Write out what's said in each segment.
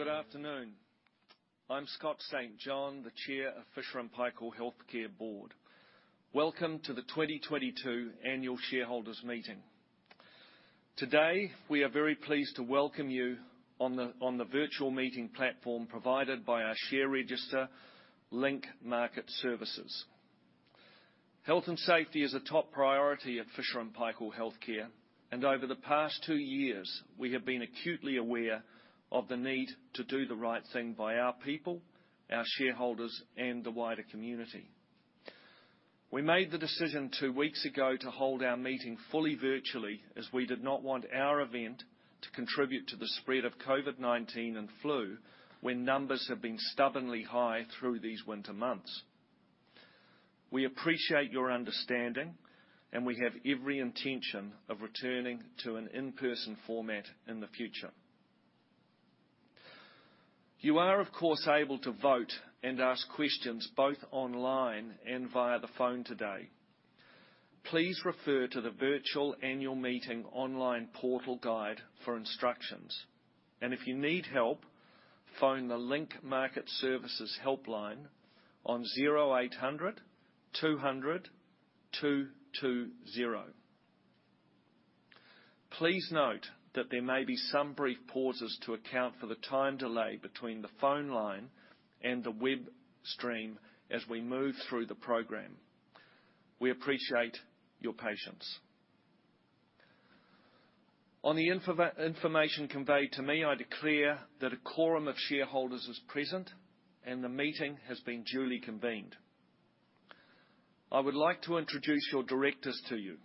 Good afternoon. I'm Scott St. John, the Chair of Fisher & Paykel Healthcare Board. Welcome to the 2022 Annual Shareholders' Meeting. Today, we are very pleased to welcome you on the virtual meeting platform provided by our share register Link Market Services. Health and safety is a top priority at Fisher & Paykel Healthcare, and over the past two years, we have been acutely aware of the need to do the right thing by our people, our shareholders, and the wider community. We made the decision two weeks ago to hold our meeting fully virtually as we did not want our event to contribute to the spread of COVID-19 and flu, when numbers have been stubbornly high through these winter months. We appreciate your understanding, and we have every intention of returning to an in-person format in the future. You are, of course, able to vote and ask questions both online and via the phone today. Please refer to the virtual annual meeting online portal guide for instructions, and if you need help, phone the Link Market Services helpline on 0800 200 220. Please note that there may be some brief pauses to account for the time delay between the phone line and the web stream as we move through the program. We appreciate your patience. On the information conveyed to me, I declare that a quorum of shareholders is present, and the meeting has been duly convened. I would like to introduce your directors to you.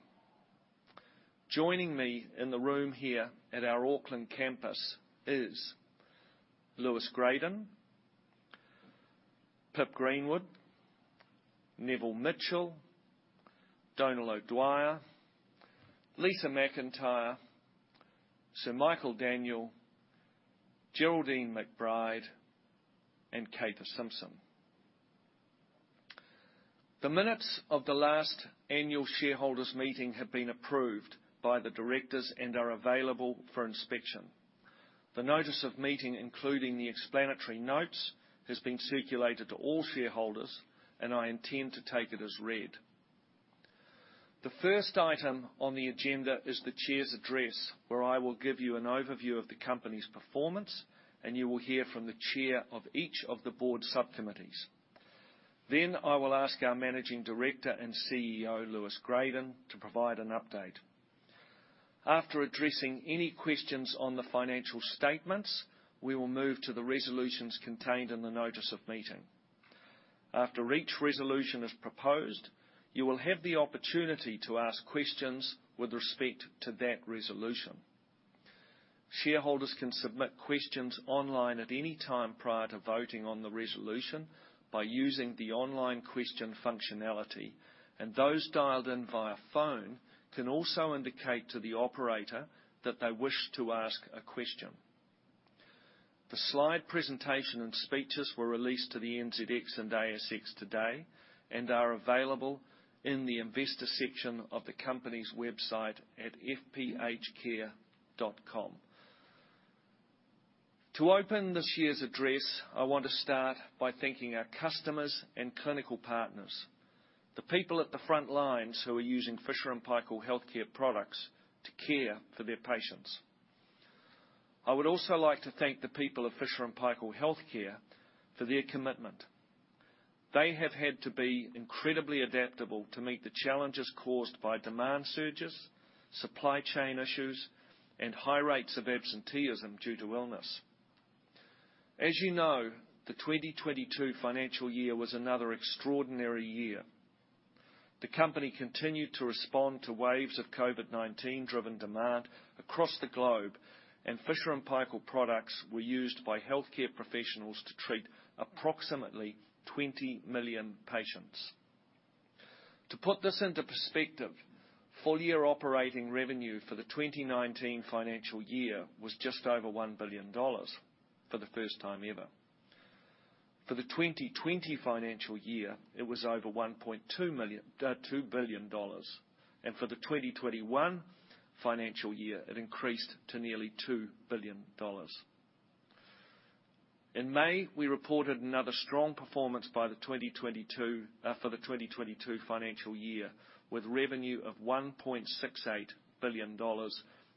Joining me in the room here at our Auckland campus is Lewis Gradon, Pip Greenwood, Neville Mitchell, Donal O'Dwyer, Lisa McIntyre, Sir Michael Daniell, Geraldine McBride, and Cather Simpson. The minutes of the last annual shareholders meeting have been approved by the directors and are available for inspection. The notice of meeting, including the explanatory notes, has been circulated to all shareholders, and I intend to take it as read. The first item on the agenda is the chair's address, where I will give you an overview of the company's performance, and you will hear from the chair of each of the board sub-committees. I will ask our Managing Director and CEO, Lewis Gradon, to provide an update. After addressing any questions on the financial statements, we will move to the resolutions contained in the notice of meeting. After each resolution is proposed, you will have the opportunity to ask questions with respect to that resolution. Shareholders can submit questions online at any time prior to voting on the resolution by using the online question functionality, and those dialed in via phone can also indicate to the operator that they wish to ask a question. The slide presentation and speeches were released to the NZX and ASX today and are available in the investor section of the company's website at fphcare.com. To open this year's address, I want to start by thanking our customers and clinical partners, the people at the front lines who are using Fisher & Paykel Healthcare products to care for their patients. I would also like to thank the people of Fisher & Paykel Healthcare for their commitment. They have had to be incredibly adaptable to meet the challenges caused by demand surges, supply chain issues, and high rates of absenteeism due to illness. As you know, the 2022 financial year was another extraordinary year. The company continued to respond to waves of COVID-19-driven demand across the globe, and Fisher & Paykel products were used by healthcare professionals to treat approximately 20 million patients. To put this into perspective, full-year operating revenue for the 2019 financial year was just over $1 billion for the first time ever. For the 2020 financial year, it was over $1.2 billion. For the 2021 financial year, it increased to nearly $2 billion. In May, we reported another strong performance for the 2022 financial year, with revenue of $1.68 billion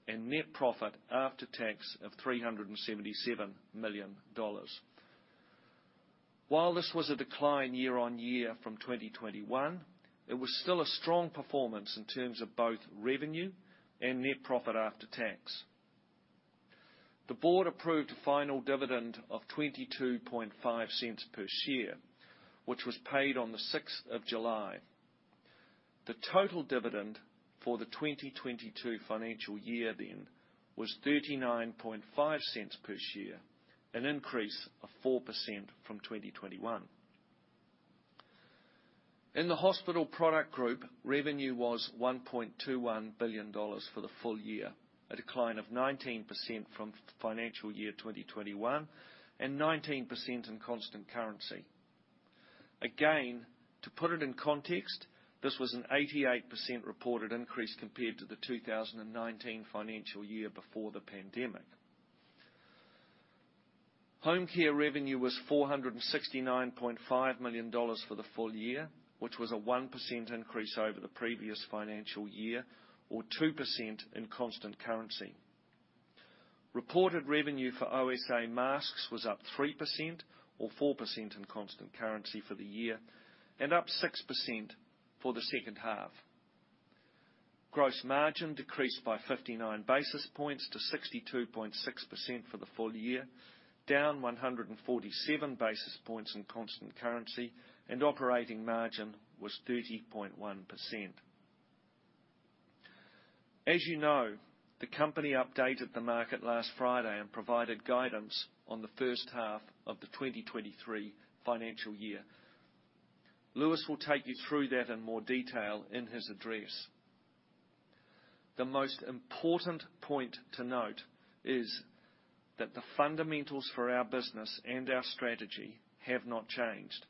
and net profit after tax of $377 million. While this was a decline year on year from 2021, it was still a strong performance in terms of both revenue and net profit after tax. The board approved a final dividend 0.225 per share, which was paid on the sixth of July. The total dividend for the 2022 financial year then was 0.39 per share, an increase of 4% from 2021. In the hospital product group, revenue was $1.21 billion for the full year, a decline of 19% from financial year 2021 and 19% in constant currency. Again, to put it in context, this was an 88% reported increase compared to the 2019 financial year before the pandemic. Home care revenue was $469.5 million for the full year, which was a 1% increase over the previous financial year, or 2% in constant currency. Reported revenue for OSA masks was up 3% or 4% in constant currency for the year, and up 6% for the second half. Gross margin decreased by 59 basis points to 62.6% for the full year, down 147 basis points in constant currency, and operating margin was 30.1%. As you know, the company updated the market last Friday and provided guidance on the first half of the 2023 financial year. Lewis will take you through that in more detail in his address. The most important point to note is that the fundamentals for our business and our strategy have not changed.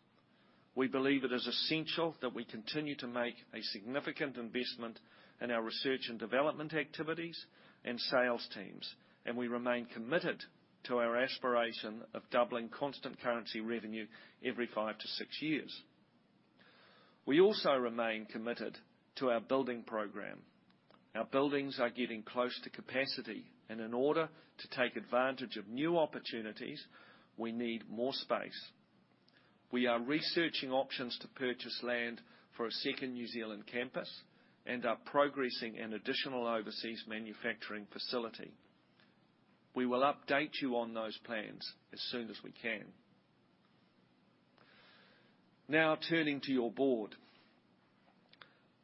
We believe it is essential that we continue to make a significant investment in our research and development activities and sales teams, and we remain committed to our aspiration of doubling constant currency revenue every five-six years. We also remain committed to our building program. Our buildings are getting close to capacity, and in order to take advantage of new opportunities, we need more space. We are researching options to purchase land for a second New Zealand campus and are progressing an additional overseas manufacturing facility. We will update you on those plans as soon as we can. Now turning to your board.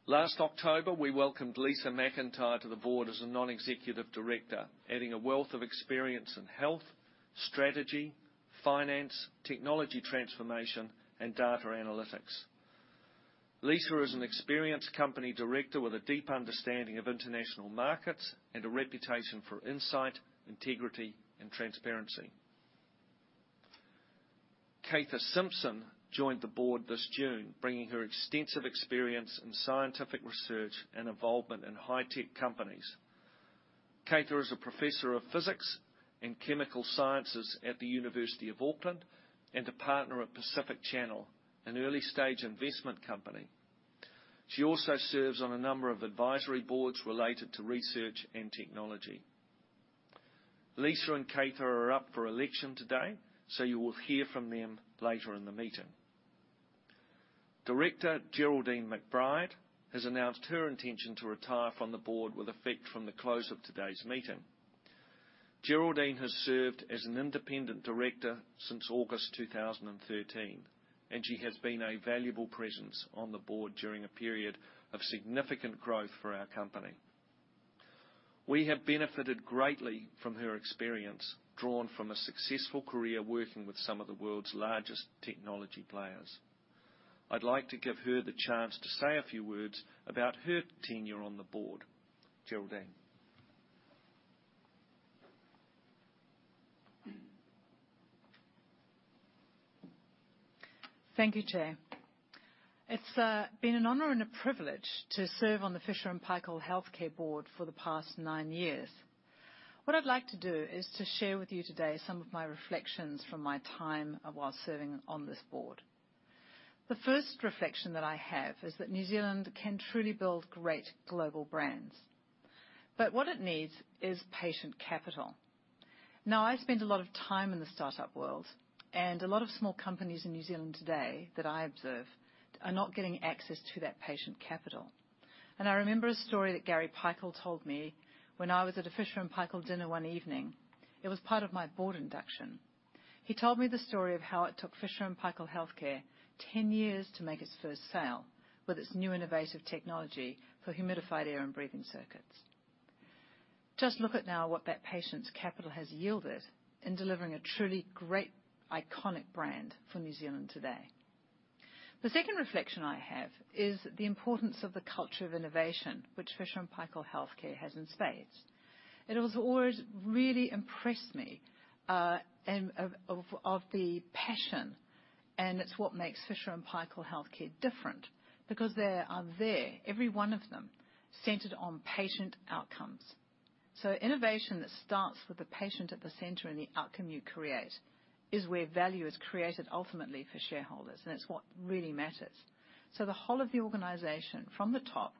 Last October, we welcomed Lisa McIntyre to the board as a non-executive director, adding a wealth of experience in health, strategy, finance, technology transformation, and data analytics. Lisa is an experienced company director with a deep understanding of international markets and a reputation for insight, integrity and transparency. Cather Simpson joined the board this June, bringing her extensive experience in scientific research and involvement in high-tech companies. Cather is a professor of physics and chemical sciences at the University of Auckland and a partner at Pacific Channel, an early-stage investment company. She also serves on a number of advisory boards related to research and technology. Lisa and Cather are up for election today, so you will hear from them later in the meeting. Director Geraldine McBride has announced her intention to retire from the board with effect from the close of today's meeting. Geraldine has served as an independent director since August 2013, and she has been a valuable presence on the board during a period of significant growth for our company. We have benefited greatly from her experience, drawn from a successful career working with some of the world's largest technology players. I'd like to give her the chance to say a few words about her tenure on the board. Geraldine. Thank you, Chair. It's been an honor and a privilege to serve on the Fisher & Paykel Healthcare Board for the past nine years. What I'd like to do is to share with you today some of my reflections from my time while serving on this board. The first reflection that I have is that New Zealand can truly build great global brands, but what it needs is patient capital. Now, I spend a lot of time in the startup world, and a lot of small companies in New Zealand today that I observe are not getting access to that patient capital. I remember a story that Gary Paykel told me when I was at a Fisher & Paykel dinner one evening. It was part of my board induction. He told me the story of how it took Fisher & Paykel Healthcare 10 years to make its first sale with its new innovative technology for humidified air and breathing circuits. Just look at now what that patient capital has yielded in delivering a truly great, iconic brand for New Zealand today. The second reflection I have is the importance of the culture of innovation, which Fisher & Paykel Healthcare has in spades. It has always really impressed me, and the passion, and it's what makes Fisher & Paykel Healthcare different, because they are there, every one of them, centered on patient outcomes. Innovation that starts with the patient at the center and the outcome you create is where value is created ultimately for shareholders, and it's what really matters. The whole of the organization, from the top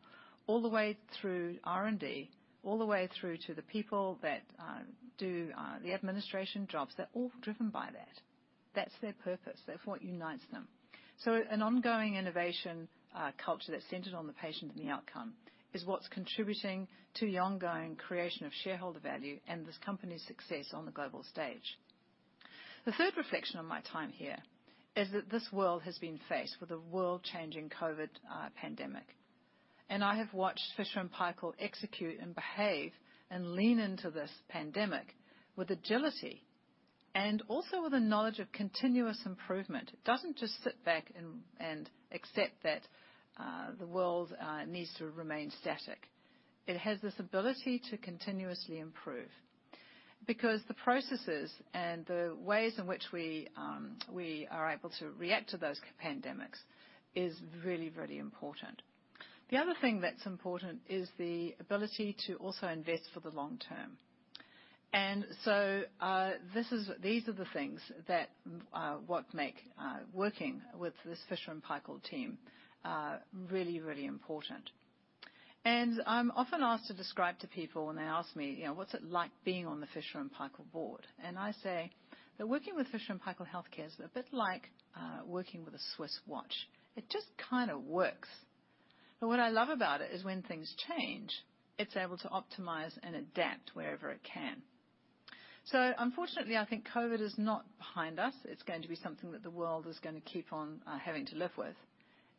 all the way through R&D, all the way through to the people that do the administration jobs, they're all driven by that. That's their purpose. That's what unites them. An ongoing innovation culture that's centered on the patient and the outcome is what's contributing to the ongoing creation of shareholder value and this company's success on the global stage. The third reflection of my time here is that this world has been faced with a world-changing COVID pandemic, and I have watched Fisher & Paykel execute and behave and lean into this pandemic with agility and also with the knowledge of continuous improvement. It doesn't just sit back and accept that the world needs to remain static. It has this ability to continuously improve. Because the processes and the ways in which we are able to react to those pandemics is really, really important. The other thing that's important is the ability to also invest for the long term. These are the things that make working with this Fisher & Paykel team really, really important. I'm often asked to describe to people when they ask me, you know, "What's it like being on the Fisher & Paykel board?" I say that working with Fisher & Paykel Healthcare is a bit like working with a Swiss watch. It just kinda works. What I love about it is when things change, it's able to optimize and adapt wherever it can. Unfortunately, I think COVID is not behind us. It's going to be something that the world is going to keep on, having to live with.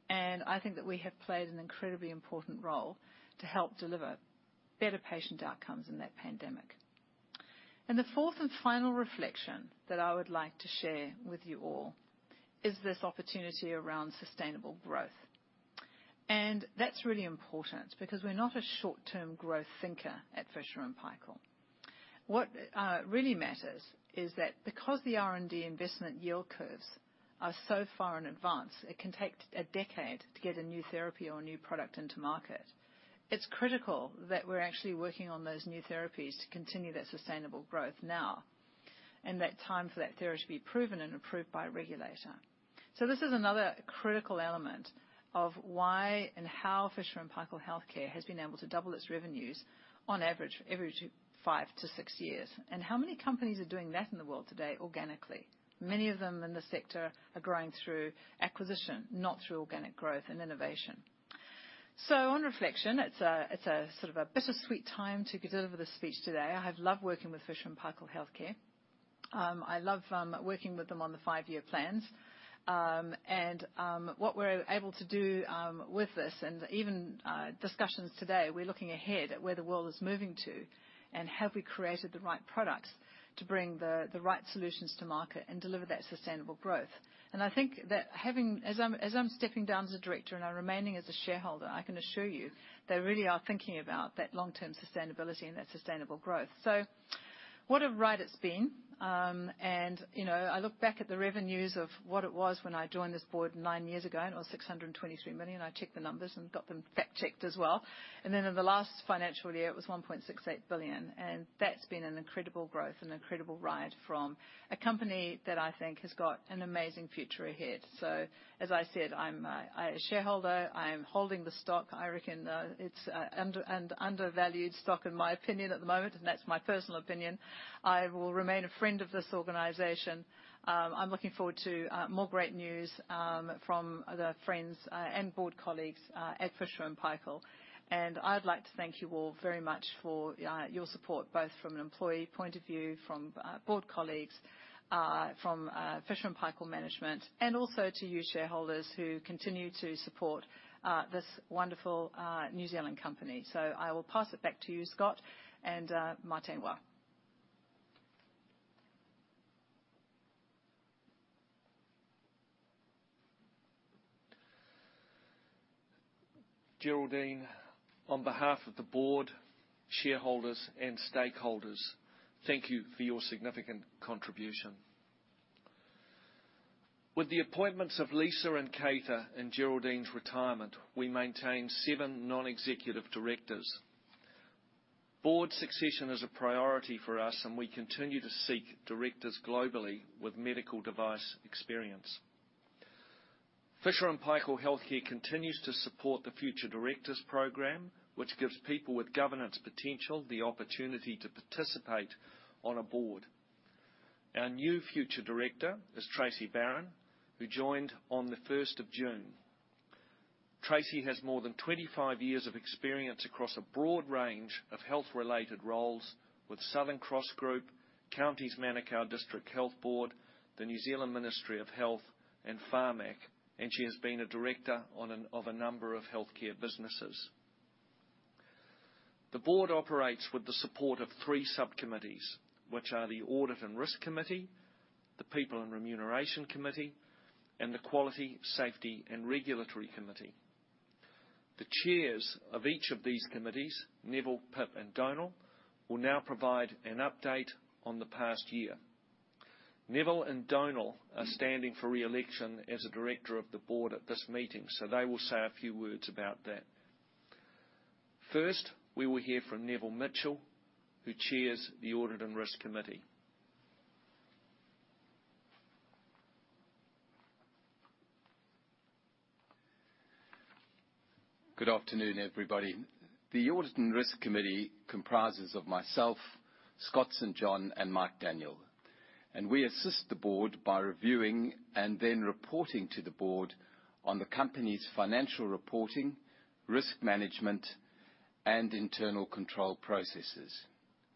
I think that we have played an incredibly important role to help deliver better patient outcomes in that pandemic. The fourth and final reflection that I would like to share with you all is this opportunity around sustainable growth. That's really important because we're not a short-term growth thinker at Fisher & Paykel. What really matters is that because the R&D investment yield curves are so far in advance, it can take a decade to get a new therapy or a new product into market. It's critical that we're actually working on those new therapies to continue that sustainable growth now, and that time for that therapy proven and approved by a regulator. This is another critical element of why and how Fisher & Paykel Healthcare has been able to double its revenues on average every five to six years. How many companies are doing that in the world today organically? Many of them in the sector are growing through acquisition, not through organic growth and innovation. On reflection, it's a sort of bittersweet time to deliver the speech today. I have loved working with Fisher & Paykel Healthcare. I love working with them on the five-year plans. What we're able to do with this and even discussions today, we're looking ahead at where the world is moving to, and have we created the right products to bring the right solutions to market and deliver that sustainable growth. I think that as I'm stepping down as a director and I'm remaining as a shareholder, I can assure you, they really are thinking about that long-term sustainability and that sustainable growth. What a ride it's been, and you know, I look back at the revenues of what it was when I joined this board nine years ago, and it was 623 million. I checked the numbers and got them fact-checked as well. Then in the last financial year, it was 1.68 billion, and that's been an incredible growth, an incredible ride from a company that I think has got an amazing future ahead. As I said, I'm a shareholder, I am holding the stock. I reckon it's an undervalued stock in my opinion at the moment, and that's my personal opinion. I will remain a friend of this organization. I'm looking forward to more great news from other friends and board colleagues at Fisher & Paykel. I'd like to thank you all very much for your support, both from an employee point of view, from board colleagues, from Fisher & Paykel management, and also to you shareholders who continue to support this wonderful New Zealand company. I will pass it back to you, Scott and Scott. Geraldine, on behalf of the board, shareholders, and stakeholders, thank you for your significant contribution. With the appointments of Lisa and Cather and Geraldine's retirement, we maintain seven non-executive directors. Board succession is a priority for us, and we continue to seek directors globally with medical device experience. Fisher & Paykel Healthcare continues to support the Future Directors program, which gives people with governance potential the opportunity to participate on a board. Our new future director is Tracey Barron, who joined on the first of June. Tracey has more than 25 years of experience across a broad range of health-related roles with Southern Cross Group, Counties Manukau District Health Board, the New Zealand Ministry of Health, and Pharmac, and she has been a director of a number of healthcare businesses. The board operates with the support of three subcommittees, which are the Audit and Risk Committee, the People and Remuneration Committee, and the Quality, Safety and Regulatory Committee. The chairs of each of these committees, Neville, Pip, and Donal, will now provide an update on the past year. Neville and Donal are standing for re-election as a director of the board at this meeting, so they will say a few words about that. First, we will hear from Neville Mitchell, who chairs the Audit and Risk Committee. Good afternoon, everybody. The Audit and Risk Committee comprises of myself, Scott St. John, and Mike Daniell. We assist the board by reviewing and then reporting to the board on the company's financial reporting, risk management, and internal control processes.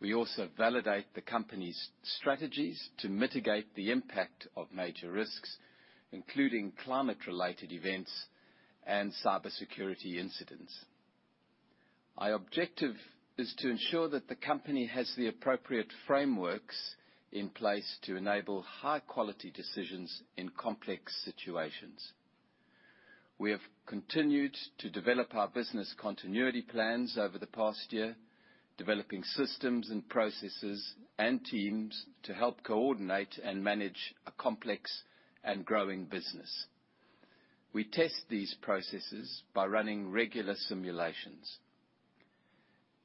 We also validate the company's strategies to mitigate the impact of major risks, including climate-related events and cybersecurity incidents. Our objective is to ensure that the company has the appropriate frameworks in place to enable high-quality decisions in complex situations. We have continued to develop our business continuity plans over the past year, developing systems and processes and teams to help coordinate and manage a complex and growing business. We test these processes by running regular simulations.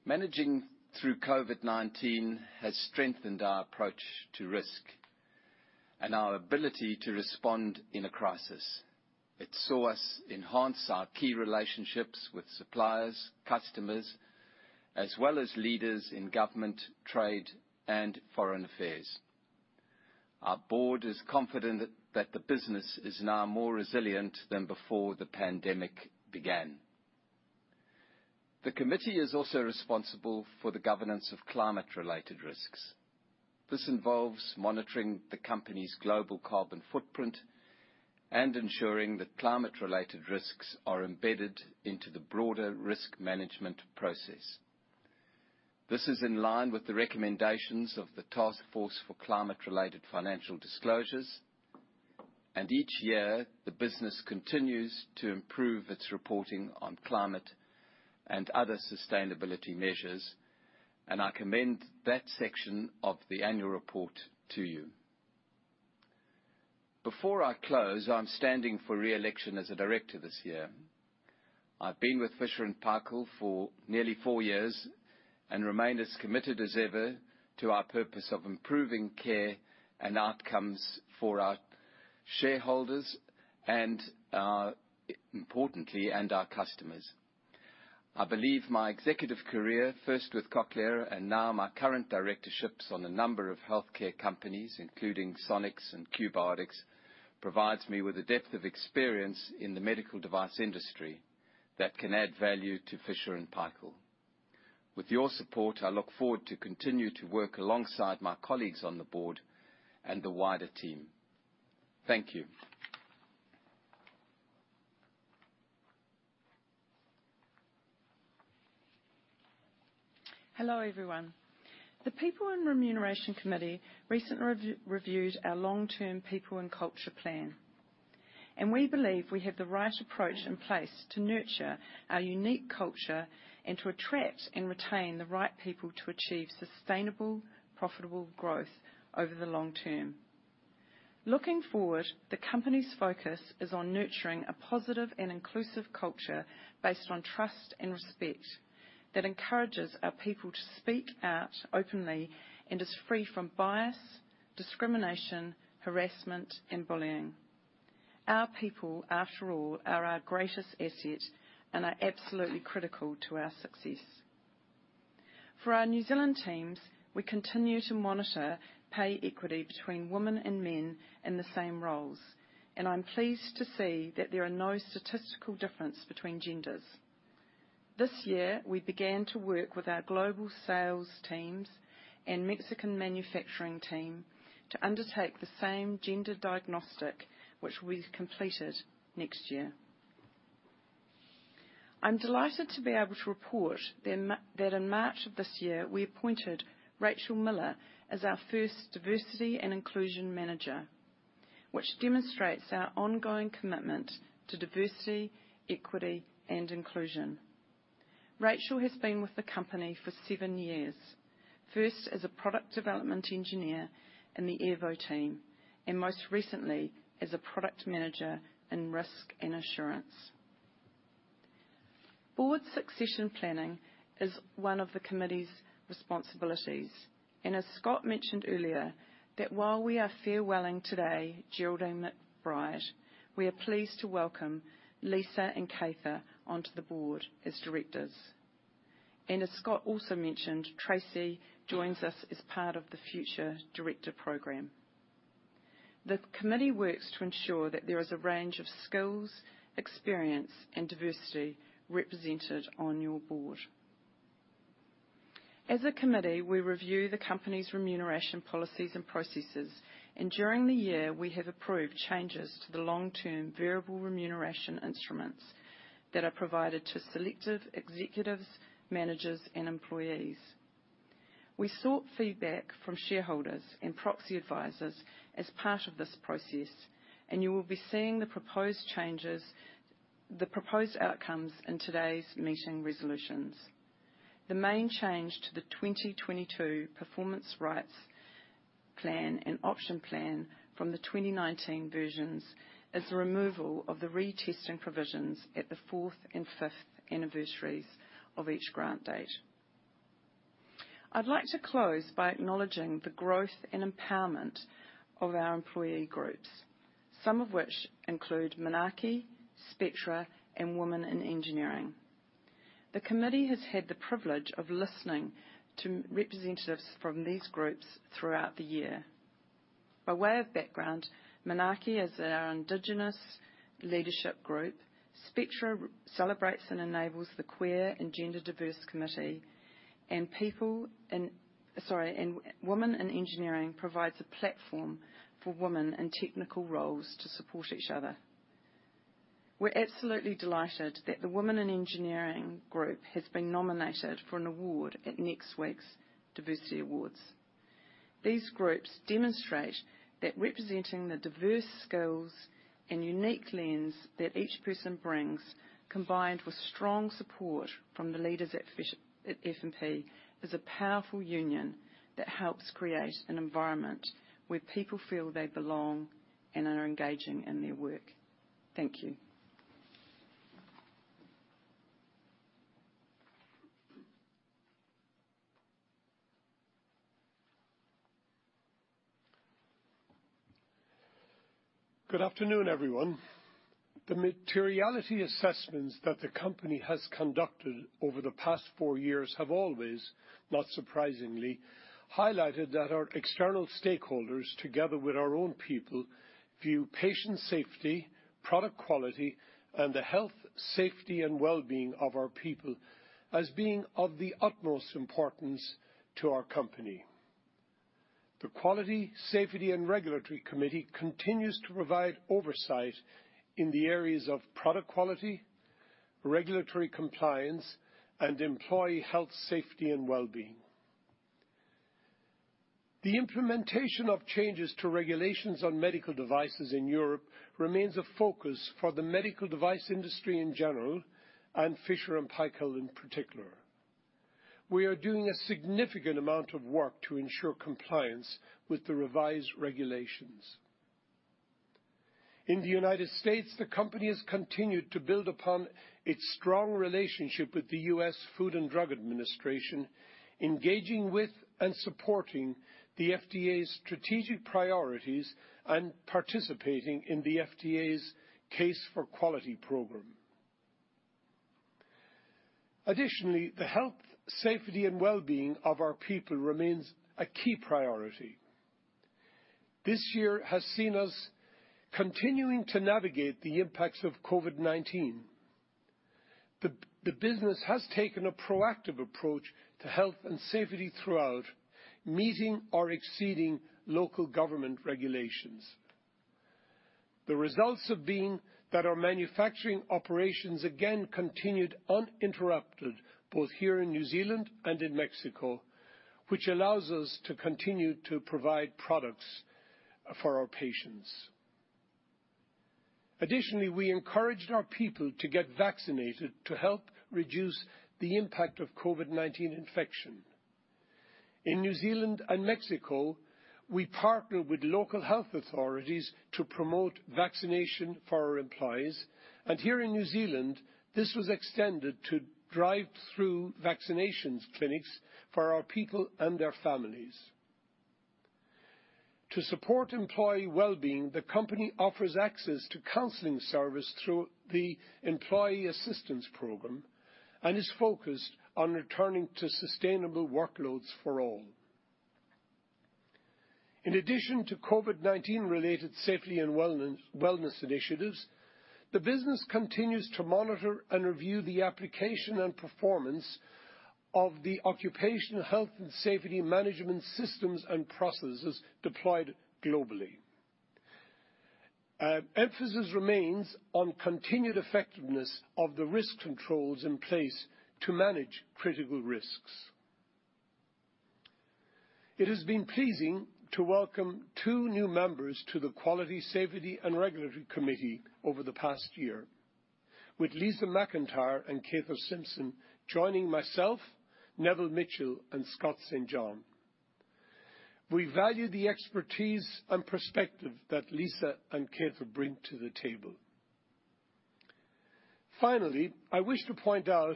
Managing through COVID-19 has strengthened our approach to risk and our ability to respond in a crisis. It saw us enhance our key relationships with suppliers, customers, as well as leaders in government, trade, and foreign affairs. Our board is confident that the business is now more resilient than before the pandemic began. The committee is also responsible for the governance of climate-related risks. This involves monitoring the company's global carbon footprint and ensuring that climate-related risks are embedded into the broader risk management process. This is in line with the recommendations of the Task Force on Climate-related Financial Disclosures, and each year, the business continues to improve its reporting on climate and other sustainability measures, and I commend that section of the annual report to you. Before I close, I'm standing for re-election as a director this year. I've been with Fisher & Paykel for nearly four years and remain as committed as ever to our purpose of improving care and outcomes for our shareholders and, importantly, our customers. I believe my executive career, first with Cochlear and now my current directorships on a number of healthcare companies, including Nanosonics and QBiotics, provides me with a depth of experience in the medical device industry that can add value to Fisher & Paykel. With your support, I look forward to continue to work alongside my colleagues on the board and the wider team. Thank you. Hello, everyone. The people in Remuneration Committee recently reviewed our long-term people and culture plan, and we believe we have the right approach in place to nurture our unique culture and to attract and retain the right people to achieve sustainable, profitable growth over the long term. Looking forward, the company's focus is on nurturing a positive and inclusive culture based on trust and respect that encourages our people to speak out openly and is free from bias, discrimination, harassment, and bullying. Our people, after all, are our greatest asset and are absolutely critical to our success. For our New Zealand teams, we continue to monitor pay equity between women and men in the same roles, and I'm pleased to see that there are no statistical difference between genders. This year, we began to work with our global sales teams and Mexican manufacturing team to undertake the same gender diagnostic, which will be completed next year. I'm delighted to be able to report that in March of this year, we appointed Rachel Miller as our first diversity and inclusion manager, which demonstrates our ongoing commitment to diversity, equity, and inclusion. Rachel has been with the company for seven years, first as a product development engineer in the Airvo team, and most recently as a product manager in risk and assurance. Board succession planning is one of the committee's responsibilities, and as Scott mentioned earlier, that while we are farewelling today, Geraldine McBride, we are pleased to welcome Lisa and Cather onto the board as directors. As Scott also mentioned, Tracey joins us as part of the Future Directors Program. The committee works to ensure that there is a range of skills, experience, and diversity represented on your board. As a committee, we review the company's remuneration policies and processes, and during the year, we have approved changes to the long-term variable remuneration instruments that are provided to selective executives, managers, and employees. We sought feedback from shareholders and proxy advisors as part of this process, and you will be seeing the proposed changes, the proposed outcomes in today's meeting resolutions. The main change to the 2022 performance rights plan and option plan from the 2019 versions is the removal of the retesting provisions at the fourth and fifth anniversaries of each grant date. I'd like to close by acknowledging the growth and empowerment of our employee groups, some of which include Manaaki, Spectra, and Women in Engineering. The committee has had the privilege of listening to representatives from these groups throughout the year. By way of background, Manaaki is our indigenous leadership group. Spectra celebrates and enables the queer and gender-diverse community, and Women in Engineering provides a platform for women in technical roles to support each other. We're absolutely delighted that the Women in Engineering group has been nominated for an award at next week's Diversity Awards NZ. These groups demonstrate that representing the diverse skills and unique lens that each person brings, combined with strong support from the leaders at F&P, is a powerful union that helps create an environment where people feel they belong and are engaging in their work. Thank you. Good afternoon, everyone. The materiality assessments that the company has conducted over the past four years have always, not surprisingly, highlighted that our external stakeholders, together with our own people, view patient safety, product quality, and the health, safety, and well-being of our people as being of the utmost importance to our company. The Quality, Safety and Regulatory Committee continues to provide oversight in the areas of product quality, regulatory compliance, and employee health, safety, and well-being. The implementation of changes to regulations on medical devices in Europe remains a focus for the medical device industry in general and Fisher & Paykel in particular. We are doing a significant amount of work to ensure compliance with the revised regulations. In the United States, the company has continued to build upon its strong relationship with the U.S. Food and Drug Administration, engaging with and supporting the FDA's strategic priorities and participating in the FDA's Case for Quality program. Additionally, the health, safety, and well-being of our people remains a key priority. This year has seen us continuing to navigate the impacts of COVID-19. The business has taken a proactive approach to health and safety throughout, meeting or exceeding local government regulations. The results have been that our manufacturing operations again continued uninterrupted, both here in New Zealand and in Mexico, which allows us to continue to provide products for our patients. Additionally, we encouraged our people to get vaccinated to help reduce the impact of COVID-19 infection. In New Zealand and Mexico, we partnered with local health authorities to promote vaccination for our employees, and here in New Zealand, this was extended to drive-through vaccination clinics for our people and their families. To support employee well-being, the company offers access to counseling service through the Employee Assistance Program and is focused on returning to sustainable workloads for all. In addition to COVID-19 related safety and wellness initiatives, the business continues to monitor and review the application and performance of the occupational health and safety management systems and processes deployed globally. Emphasis remains on continued effectiveness of the risk controls in place to manage critical risks. It has been pleasing to welcome two new members to the Quality, Safety and Regulatory Committee over the past year. With Lisa McIntyre and Cather Simpson joining myself, Neville Mitchell, and Scott St. John. We value the expertise and perspective that Lisa and Cather bring to the table. Finally, I wish to point out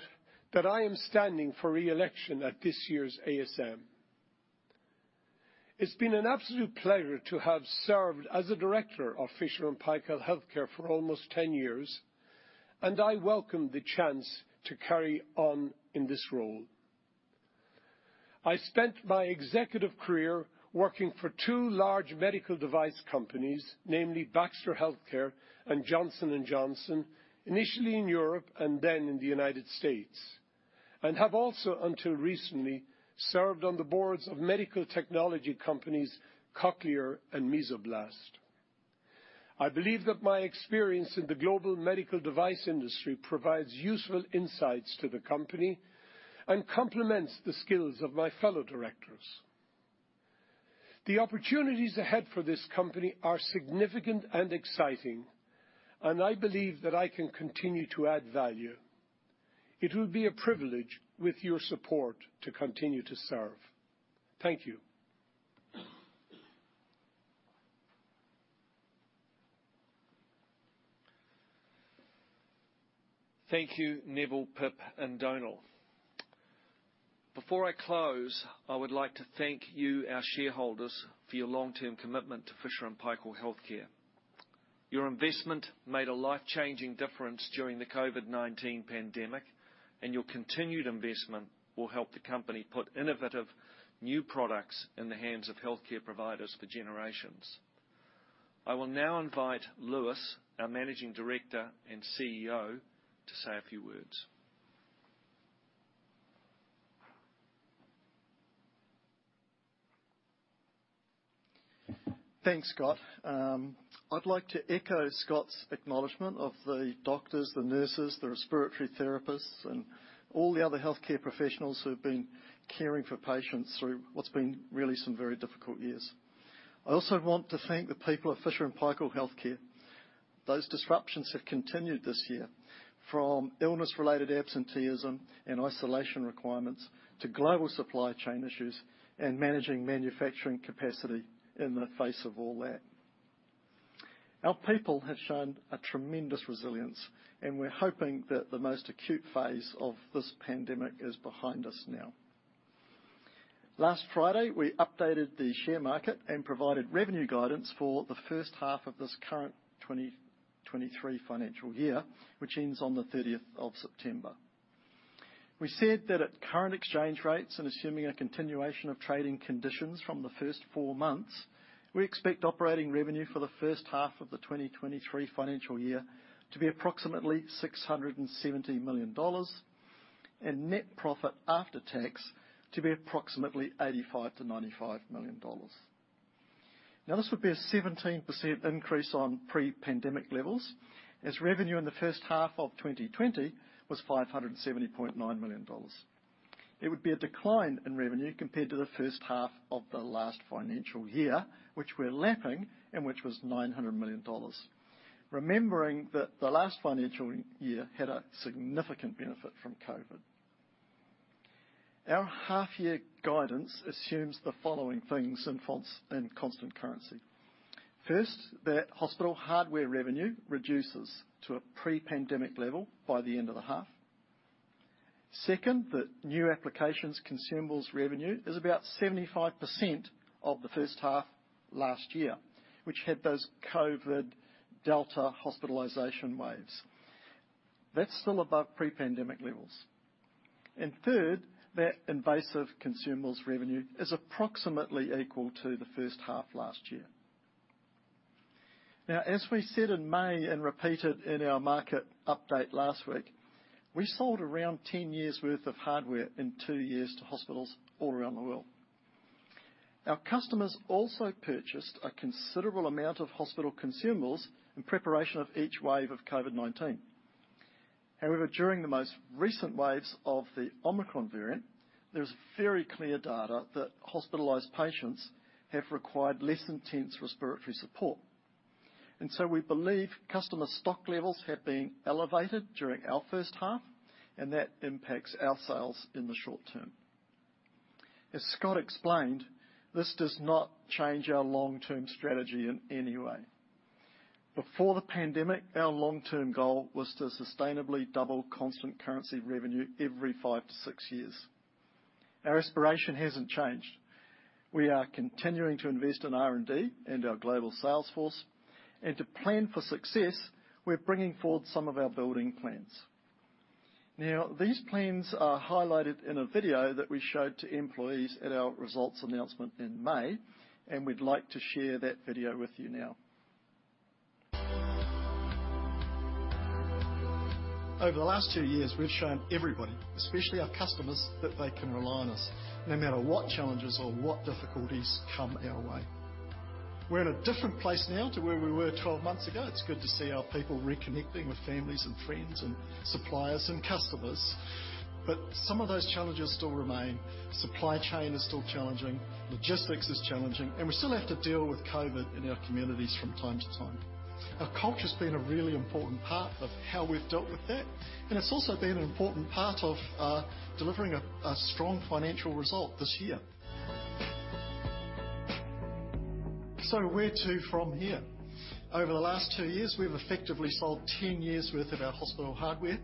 that I am standing for reelection at this year's ASM. It's been an absolute pleasure to have served as a director of Fisher & Paykel Healthcare for almost 10 years, and I welcome the chance to carry on in this role. I spent my executive career working for two large medical device companies, namely Baxter Healthcare and Johnson & Johnson, initially in Europe and then in the United States, and have also, until recently, served on the boards of medical technology companies Cochlear and Mesoblast. I believe that my experience in the global medical device industry provides useful insights to the company and complements the skills of my fellow directors. The opportunities ahead for this company are significant and exciting, and I believe that I can continue to add value. It would be a privilege, with your support, to continue to serve. Thank you. Thank you, Neville, Pip, and Donal. Before I close, I would like to thank you, our shareholders, for your long-term commitment to Fisher & Paykel Healthcare. Your investment made a life-changing difference during the COVID-19 pandemic, and your continued investment will help the company put innovative new products in the hands of healthcare providers for generations. I will now invite Lewis, our Managing Director and CEO, to say a few words. Thanks, Scott. I'd like to echo Scott's acknowledgement of the doctors, the nurses, the respiratory therapists, and all the other healthcare professionals who have been caring for patients through what's been really some very difficult years. I also want to thank the people of Fisher & Paykel Healthcare. Those disruptions have continued this year, from illness-related absenteeism and isolation requirements to global supply chain issues and managing manufacturing capacity in the face of all that. Our people have shown a tremendous resilience, and we're hoping that the most acute phase of this pandemic is behind us now. Last Friday, we updated the share market and provided revenue guidance for the first half of this current 2023 financial year, which ends on the thirtieth of September. We said that at current exchange rates and assuming a continuation of trading conditions from the first four months, we expect operating revenue for the first half of the 2023 financial year to be approximately $670 million, and net profit after tax to be approximately $85 millio-$95 million. This would be a 17% increase on pre-pandemic levels, as revenue in the first half of 2020 was $570.9 million. It would be a decline in revenue compared to the first half of the last financial year, which we're lapping and which was $900 million. Remembering that the last financial year had a significant benefit from COVID. Our half-year guidance assumes the following things in constant currency. First, that hospital hardware revenue reduces to a pre-pandemic level by the end of the half. Second, that new applications consumables revenue is about 75% of the first half last year, which had those COVID-19 Delta hospitalization waves. That's still above pre-pandemic levels. Third, that invasive consumables revenue is approximately equal to the first half last year. Now, as we said in May and repeated in our market update last week, we sold around 10 years' worth of hardware in two years to hospitals all around the world. Our customers also purchased a considerable amount of hospital consumables in preparation of each wave of COVID-19. However, during the most recent waves of the Omicron variant, there's very clear data that hospitalized patients have required less intense respiratory support. We believe customer stock levels have been elevated during our first half, and that impacts our sales in the short term. As Scott explained, this does not change our long-term strategy in any way. Before the pandemic, our long-term goal was to sustainably double constant currency revenue every five-six years. Our aspiration hasn't changed. We are continuing to invest in R&D and our global sales force. To plan for success, we're bringing forward some of our building plans. Now, these plans are highlighted in a video that we showed to employees at our results announcement in May, and we'd like to share that video with you now. Over the last two years, we've shown everybody, especially our customers, that they can rely on us no matter what challenges or what difficulties come our way. We're in a different place now to where we were 12 months ago. It's good to see our people reconnecting with families and friends and suppliers and customers. Some of those challenges still remain. Supply chain is still challenging, logistics is challenging, and we still have to deal with COVID-19 in our communities from time to time. Our culture's been a really important part of how we've dealt with that, and it's also been an important part of delivering a strong financial result this year. Where to from here? Over the last two years, we've effectively sold 10 years' worth of our hospital hardware,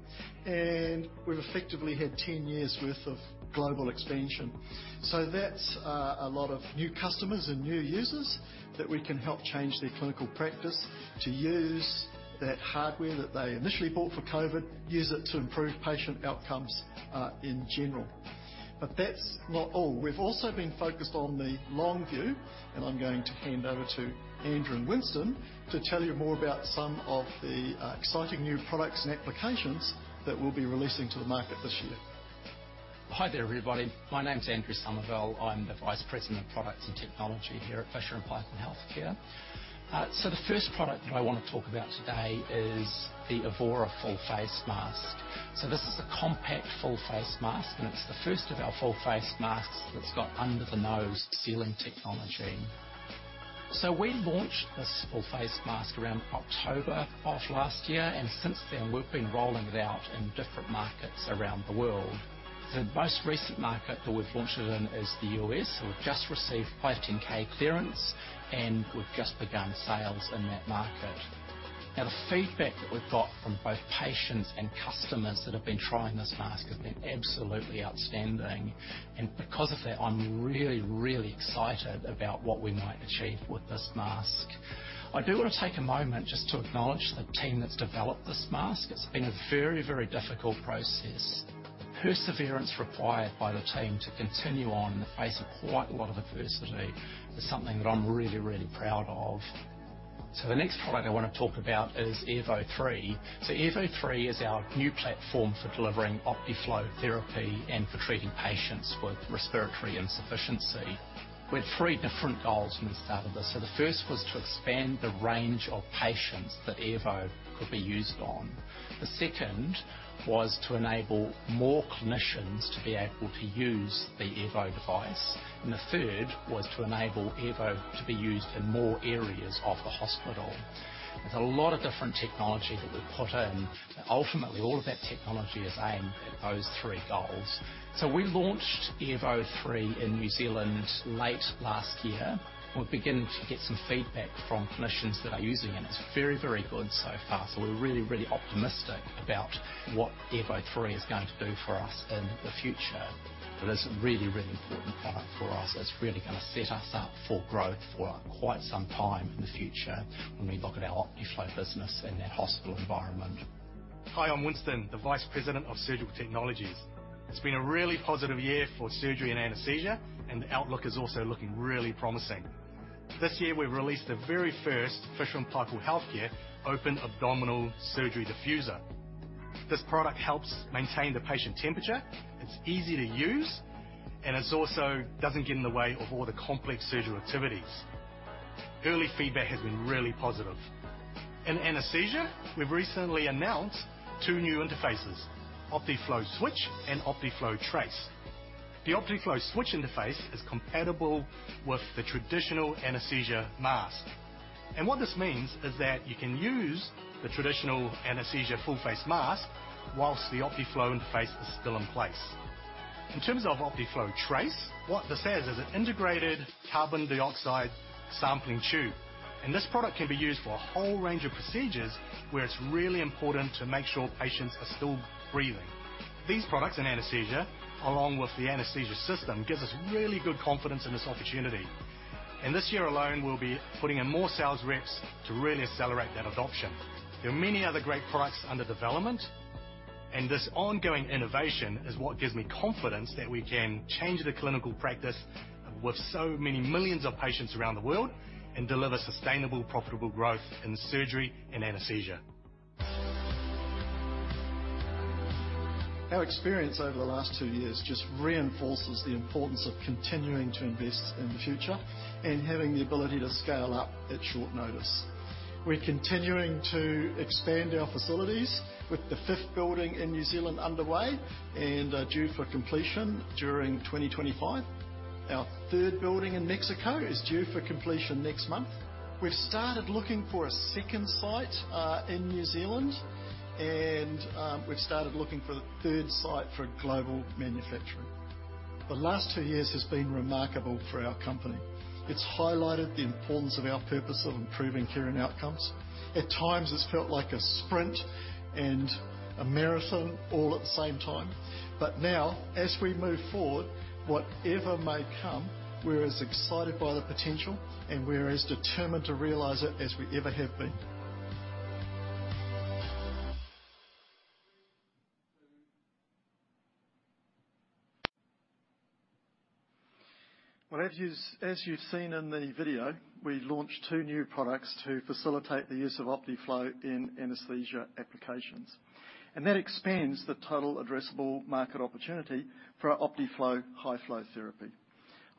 and we've effectively had 10 years' worth of global expansion. That's a lot of new customers and new users that we can help change their clinical practice to use that hardware that they initially bought for COVID-19, use it to improve patient outcomes in general. That's not all. We've also been focused on the long view, and I'm going to hand over to Andrew and Winston to tell you more about some of the exciting new products and applications that we'll be releasing to the market this year. Hi there, everybody. My name's Andrew Somervell. I'm the Vice President of Products and Technology here at Fisher & Paykel Healthcare. The first product that I want to talk about today is the Evora Full Face Mask. This is a compact, full face mask, and it's the first of our full face masks that's got under-the-nose sealing technology. We launched this full face mask around October of last year, and since then, we've been rolling it out in different markets around the world. The most recent market that we've launched it in is the U.S. We've just received 510(k) clearance, and we've just begun sales in that market. Now, the feedback that we've got from both patients and customers that have been trying this mask has been absolutely outstanding. Because of that, I'm really, really excited about what we might achieve with this mask. I do want to take a moment just to acknowledge the team that's developed this mask. It's been a very, very difficult process. The perseverance required by the team to continue on in the face of quite a lot of adversity is something that I'm really, really proud of. The next product I want to talk about is Airvo 3 is our new platform for delivering Optiflow therapy and for treating patients with respiratory insufficiency. We had three different goals when we started this. The first was to expand the range of patients that Airvo could be used on. The second was to enable more clinicians to be able to use the Airvo device. The third was to enable Airvo to be used in more areas of the hospital. There's a lot of different technology that we've put in, but ultimately, all of that technology is aimed at those three goals. We Airvo 3 in New Zealand late last year. We're beginning to get some feedback from clinicians that are using it, and it's very, very good so far. We're really, really optimistic about Airvo 3 is going to do for us in the future. It is a really, really important product for us. It's really going to set us up for growth for quite some time in the future when we look at our Optiflow business in that hospital environment. Hi, I'm Winston, the Vice President of Surgical Technologies. It's been a really positive year for surgery and anesthesia, and the outlook is also looking really promising. This year, we've released the very first Fisher & Paykel Healthcare open abdominal surgery diffuser. This product helps maintain the patient temperature, it's easy to use, and it's also doesn't get in the way of all the complex surgical activities. Early feedback has been really positive. In anesthesia, we've recently announced two new interfaces, Optiflow Switch and Optiflow Trace. The Optiflow Switch interface is compatible with the traditional anesthesia mask. What this means is that you can use the traditional anesthesia full face mask whilst the Optiflow interface is still in place. In terms of Optiflow Trace, what this is an integrated carbon dioxide sampling tube, and this product can be used for a whole range of procedures where it's really important to make sure patients are still breathing. These products in anesthesia, along with the anesthesia system, gives us really good confidence in this opportunity. In this year alone, we'll be putting in more sales reps to really accelerate that adoption. There are many other great products under development, and this ongoing innovation is what gives me confidence that we can change the clinical practice with so many millions of patients around the world and deliver sustainable, profitable growth in surgery and anesthesia. Our experience over the last two years just reinforces the importance of continuing to invest in the future and having the ability to scale up at short notice. We're continuing to expand our facilities with the fifth building in New Zealand underway and due for completion during 2025. Our third building in Mexico is due for completion next month. We've started looking for a second site in New Zealand, and we've started looking for the third site for global manufacturing. The last two years has been remarkable for our company. It's highlighted the importance of our purpose of improving care and outcomes. At times, it's felt like a sprint and a marathon all at the same time. Now, as we move forward, whatever may come, we're as excited by the potential and we're as determined to realize it as we ever have been. Well, as you've seen in the video, we launched two new products to facilitate the use of Optiflow in anesthesia applications, and that expands the total addressable market opportunity for our Optiflow high-flow therapy.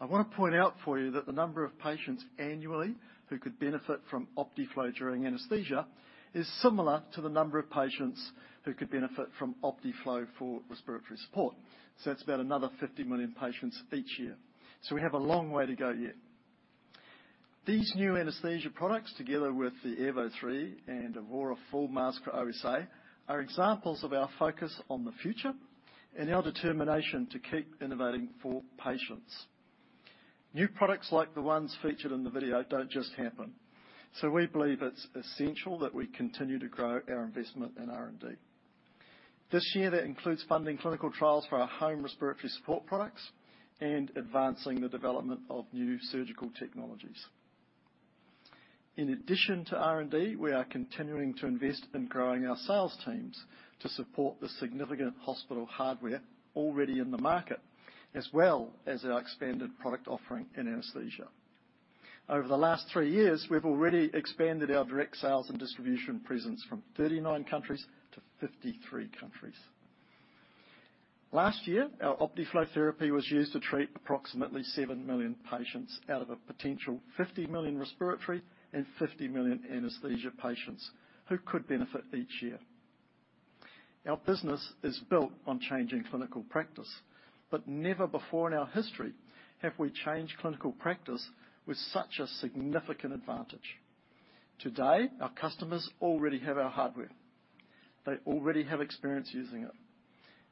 I want to point out for you that the number of patients annually who could benefit from Optiflow during anesthesia is similar to the number of patients who could benefit from Optiflow for respiratory support. That's about another 50 million patients each year. We have a long way to go yet. These new anesthesia products, together with Airvo 3 and Evora full face mask for OSA, are examples of our focus on the future and our determination to keep innovating for patients. New products like the ones featured in the video don't just happen. We believe it's essential that we continue to grow our investment in R&D. This year, that includes funding clinical trials for our home respiratory support products and advancing the development of new surgical technologies. In addition to R&D, we are continuing to invest in growing our sales teams to support the significant hospital hardware already in the market, as well as our expanded product offering in anesthesia. Over the last three years, we've already expanded our direct sales and distribution presence from 39 countries to 53 countries. Last year, our Optiflow therapy was used to treat approximately 7 million patients out of a potential 50 million respiratory and 50 million anesthesia patients who could benefit each year. Our business is built on changing clinical practice, but never before in our history have we changed clinical practice with such a significant advantage. Today, our customers already have our hardware. They already have experience using it.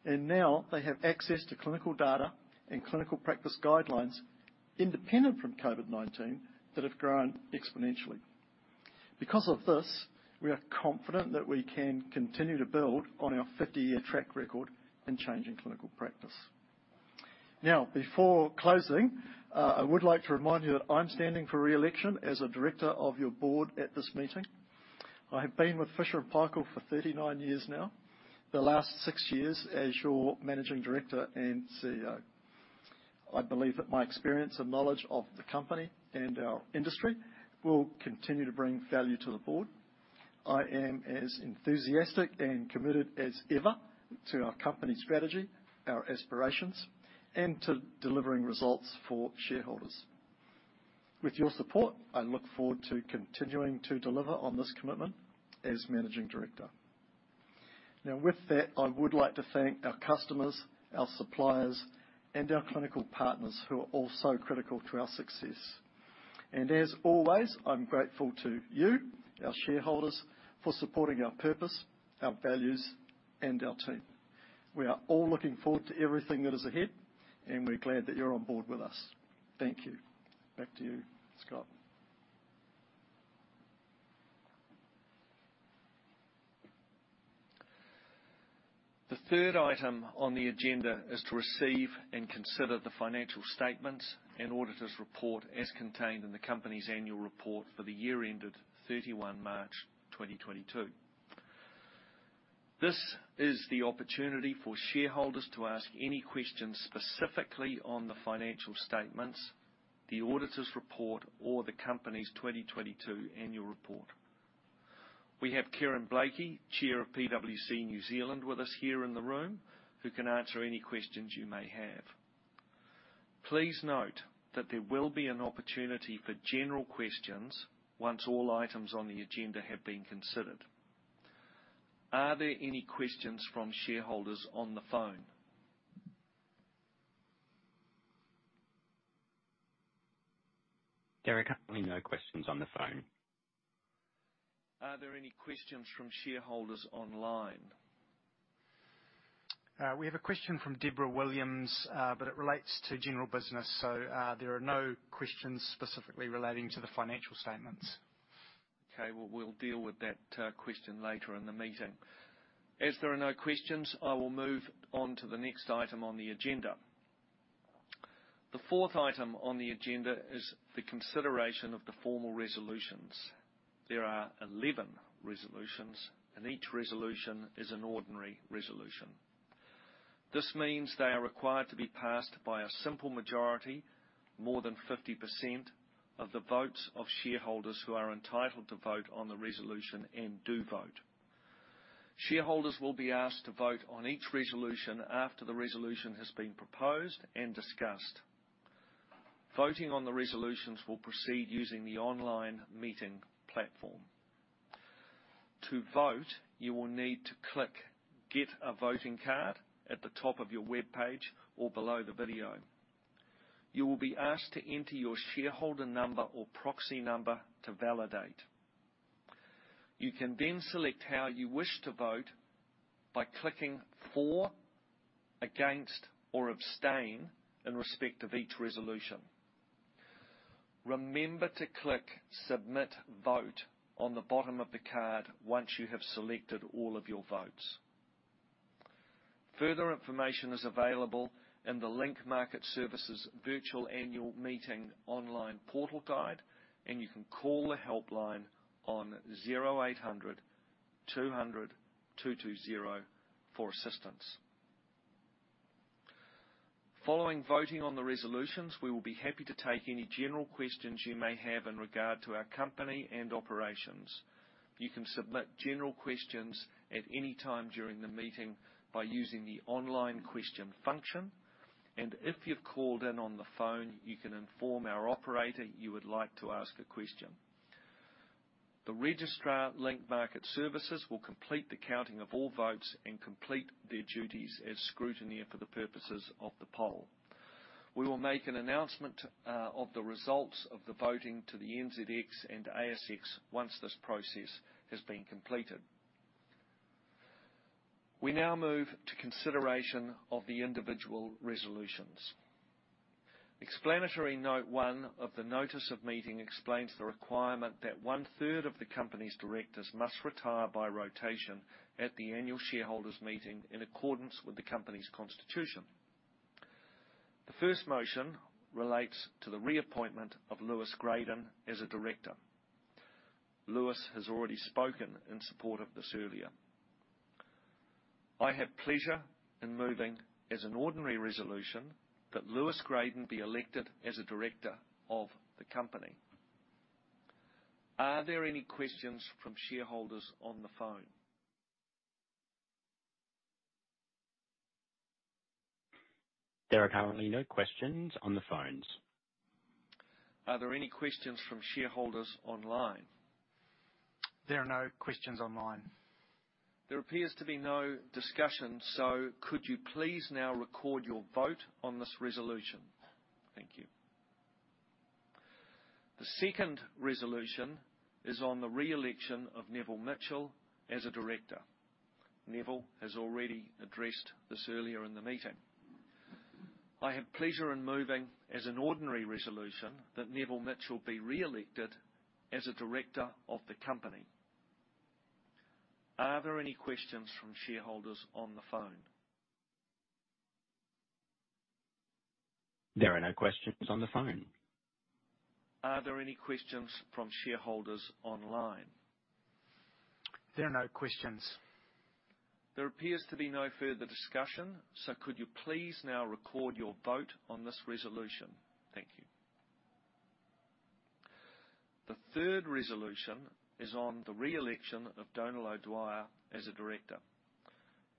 Now they have access to clinical data and clinical practice guidelines independent from COVID-19 that have grown exponentially. Because of this, we are confident that we can continue to build on our 50-year track record in changing clinical practice. Now, before closing, I would like to remind you that I'm standing for reelection as a director of your board at this meeting. I have been with Fisher & Paykel for 39 years now, the last six years as your managing director and CEO. I believe that my experience and knowledge of the company and our industry will continue to bring value to the board. I am as enthusiastic and committed as ever to our company strategy, our aspirations, and to delivering results for shareholders. With your support, I look forward to continuing to deliver on this commitment as managing director. Now, with that, I would like to thank our customers, our suppliers, and our clinical partners who are also critical to our success. As always, I'm grateful to you, our shareholders, for supporting our purpose, our values, and our team. We are all looking forward to everything that is ahead, and we're glad that you're on board with us. Thank you. Back to you, Scott. The third item on the agenda is to receive and consider the financial statements and auditor's report as contained in the company's annual report for the year ended 31 March 2022. This is the opportunity for shareholders to ask any questions specifically on the financial statements, the auditor's report, or the company's 2022 annual report. We have Karen Blaikie, Chair of PwC New Zealand, with us here in the room who can answer any questions you may have. Please note that there will be an opportunity for general questions once all items on the agenda have been considered. Are there any questions from shareholders on the phone? Derek, currently no questions on the phone. Are there any questions from shareholders online? We have a question from Deborah Williams, but it relates to general business. There are no questions specifically relating to the financial statements. Okay. We'll deal with that question later in the meeting. As there are no questions, I will move on to the next item on the agenda. The fourth item on the agenda is the consideration of the formal resolutions. There are 11 resolutions, and each resolution is an ordinary resolution. This means they are required to be passed by a simple majority, more than 50% of the votes of shareholders who are entitled to vote on the resolution and do vote. Shareholders will be asked to vote on each resolution after the resolution has been proposed and discussed. Voting on the resolutions will proceed using the online meeting platform. To vote, you will need to click Get a Voting Card at the top of your webpage or below the video. You will be asked to enter your shareholder number or proxy number to validate. You can then select how you wish to vote by clicking For, Against, or Abstain in respect of each resolution. Remember to click Submit Vote on the bottom of the card once you have selected all of your votes. Further information is available in the Link Market Services Virtual Annual Meeting online portal guide, and you can call the helpline on 0800 200 220 for assistance. Following voting on the resolutions, we will be happy to take any general questions you may have in regard to our company and operations. You can submit general questions at any time during the meeting by using the online question function. If you've called in on the phone, you can inform our operator you would like to ask a question. The registrar, Link Market Services, will complete the counting of all votes and complete their duties as scrutineer for the purposes of the poll. We will make an announcement of the results of the voting to the NZX and ASX once this process has been completed. We now move to consideration of the individual resolutions. Explanatory note one of the notice of meeting explains the requirement that one-third of the company's directors must retire by rotation at the annual shareholders meeting in accordance with the company's constitution. The first motion relates to the reappointment of Lewis Gradon as a director. Lewis has already spoken in support of this earlier. I have pleasure in moving as an ordinary resolution that Lewis Gradon be elected as a director of the company. Are there any questions from shareholders on the phone? There are currently no questions on the phones. Are there any questions from shareholders online? There are no questions online. There appears to be no discussion. Could you please now record your vote on this resolution? Thank you. The second resolution is on the reelection of Neville Mitchell as a director. Neville has already addressed this earlier in the meeting. I have pleasure in moving as an ordinary resolution that Neville Mitchell be reelected as a director of the company. Are there any questions from shareholders on the phone? There are no questions on the phone. Are there any questions from shareholders online? There are no questions. There appears to be no further discussion, so could you please now record your vote on this resolution? Thank you. The third resolution is on the reelection of Donal O'Dwyer as a director.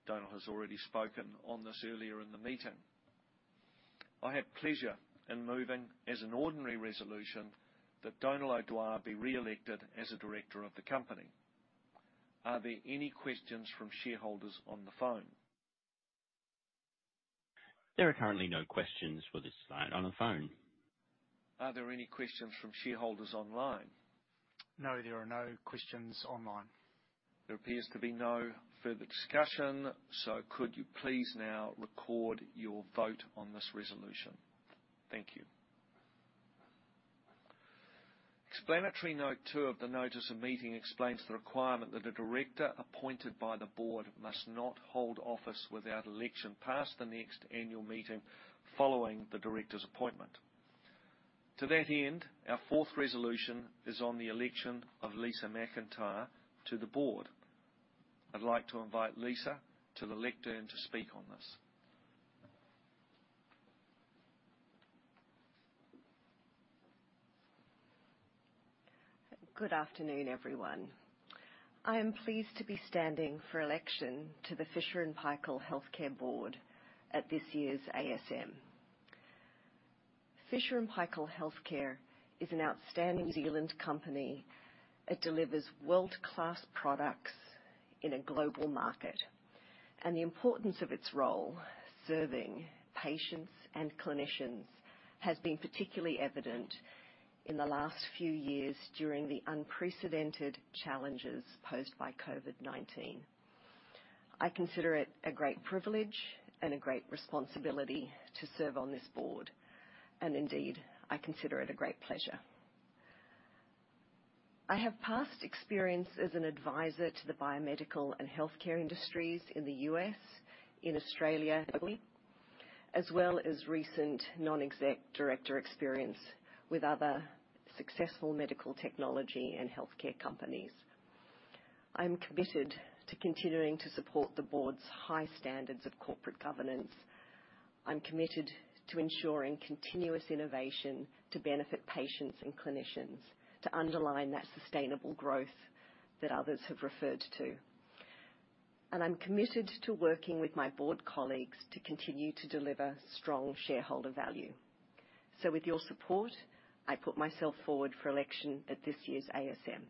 Donal has already spoken on this earlier in the meeting. I have pleasure in moving as an ordinary resolution that Donal O'Dwyer be reelected as a director of the company. Are there any questions from shareholders on the phone? There are currently no questions for this slide on the phone. Are there any questions from shareholders online? No, there are no questions online. There appears to be no further discussion. Could you please now record your vote on this resolution? Thank you. Explanatory note two of the notice of meeting explains the requirement that a director appointed by the board must not hold office without election past the next annual meeting following the director's appointment. To that end, our fourth resolution is on the election of Lisa McIntyre to the board. I'd like to invite Lisa to the lectern to speak on this. Good afternoon, everyone. I am pleased to be standing for election to the Fisher & Paykel Healthcare board at this year's ASM. Fisher & Paykel Healthcare is an outstanding New Zealand company. It delivers world-class products in a global market, and the importance of its role serving patients and clinicians has been particularly evident in the last few years during the unprecedented challenges posed by COVID-19. I consider it a great privilege and a great responsibility to serve on this board, and indeed, I consider it a great pleasure. I have past experience as an advisor to the biomedical and healthcare industries in the U.S., in Australia, as well as recent non-exec director experience with other successful medical technology and healthcare companies. I'm committed to continuing to support the board's high standards of corporate governance. I'm committed to ensuring continuous innovation to benefit patients and clinicians, to underline that sustainable growth that others have referred to. I'm committed to working with my board colleagues to continue to deliver strong shareholder value. With your support, I put myself forward for election at this year's ASM.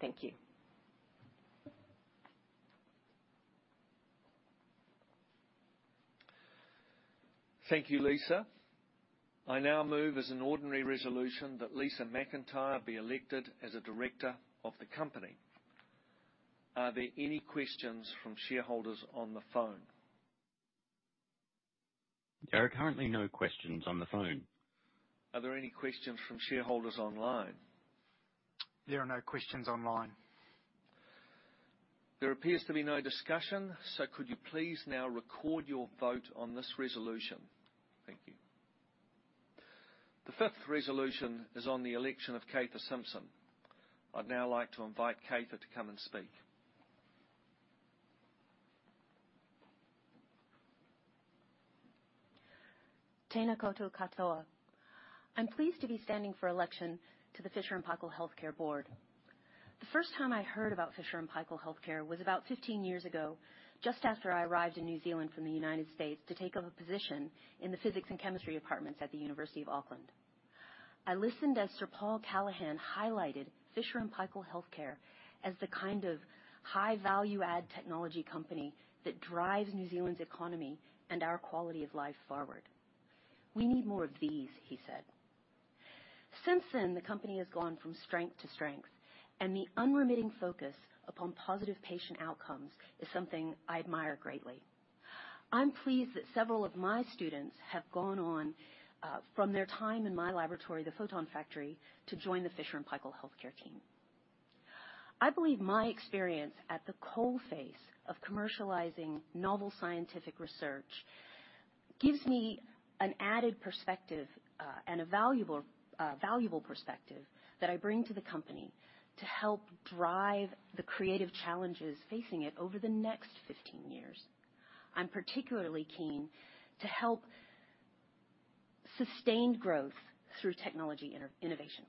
Thank you. Thank you, Lisa. I now move as an ordinary resolution that Lisa McIntyre be elected as a director of the company. Are there any questions from shareholders on the phone? There are currently no questions on the phone. Are there any questions from shareholders online? There are no questions online. There appears to be no discussion. Could you please now record your vote on this resolution? Thank you. The fifth resolution is on the election of Cather Simpson. I'd now like to invite Cather to come and speak. Tēnā koutou katoa. I'm pleased to be standing for election to the Fisher & Paykel Healthcare board. The first time I heard about Fisher & Paykel Healthcare was about 15 years ago, just after I arrived in New Zealand from the United States to take up a position in the Physics and Chemistry departments at the University of Auckland. I listened as Sir Paul Callaghan highlighted Fisher & Paykel Healthcare as the kind of high value-add technology company that drives New Zealand's economy and our quality of life forward. "We need more of these," he said. Since then, the company has gone from strength to strength, and the unremitting focus upon positive patient outcomes is something I admire greatly. I'm pleased that several of my students have gone on from their time in my laboratory, the Photon Factory, to join the Fisher & Paykel Healthcare team. I believe my experience at the coalface of commercializing novel scientific research gives me an added perspective and a valuable perspective that I bring to the company to help drive the creative challenges facing it over the next 15 years. I'm particularly keen to help sustained growth through technology innovation.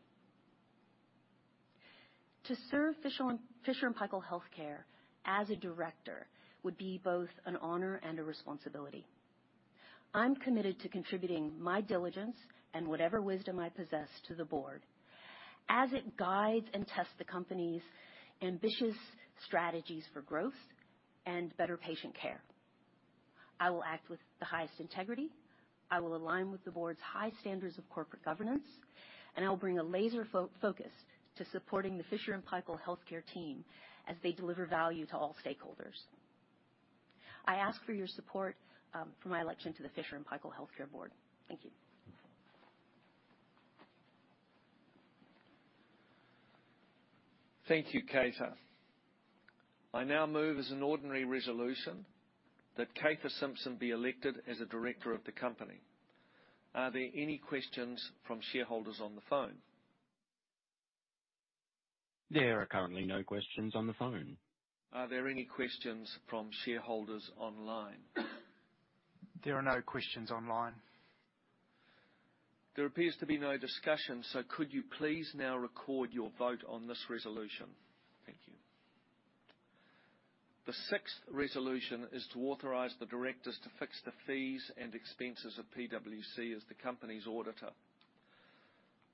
To serve Fisher & Paykel Healthcare as a director would be both an honor and a responsibility. I'm committed to contributing my diligence and whatever wisdom I possess to the board as it guides and tests the company's ambitious strategies for growth and better patient care. I will act with the highest integrity. I will align with the board's high standards of corporate governance, and I will bring a laser focus to supporting the Fisher & Paykel Healthcare team as they deliver value to all stakeholders. I ask for your support, for my election to the Fisher & Paykel Healthcare board. Thank you. Thank you, Cather. I now move as an ordinary resolution that Cather Simpson be elected as a director of the company. Are there any questions from shareholders on the phone? There are currently no questions on the phone. Are there any questions from shareholders online? There are no questions online. There appears to be no discussion, so could you please now record your vote on this resolution? Thank you. The sixth resolution is to authorize the directors to fix the fees and expenses of PwC as the company's auditor.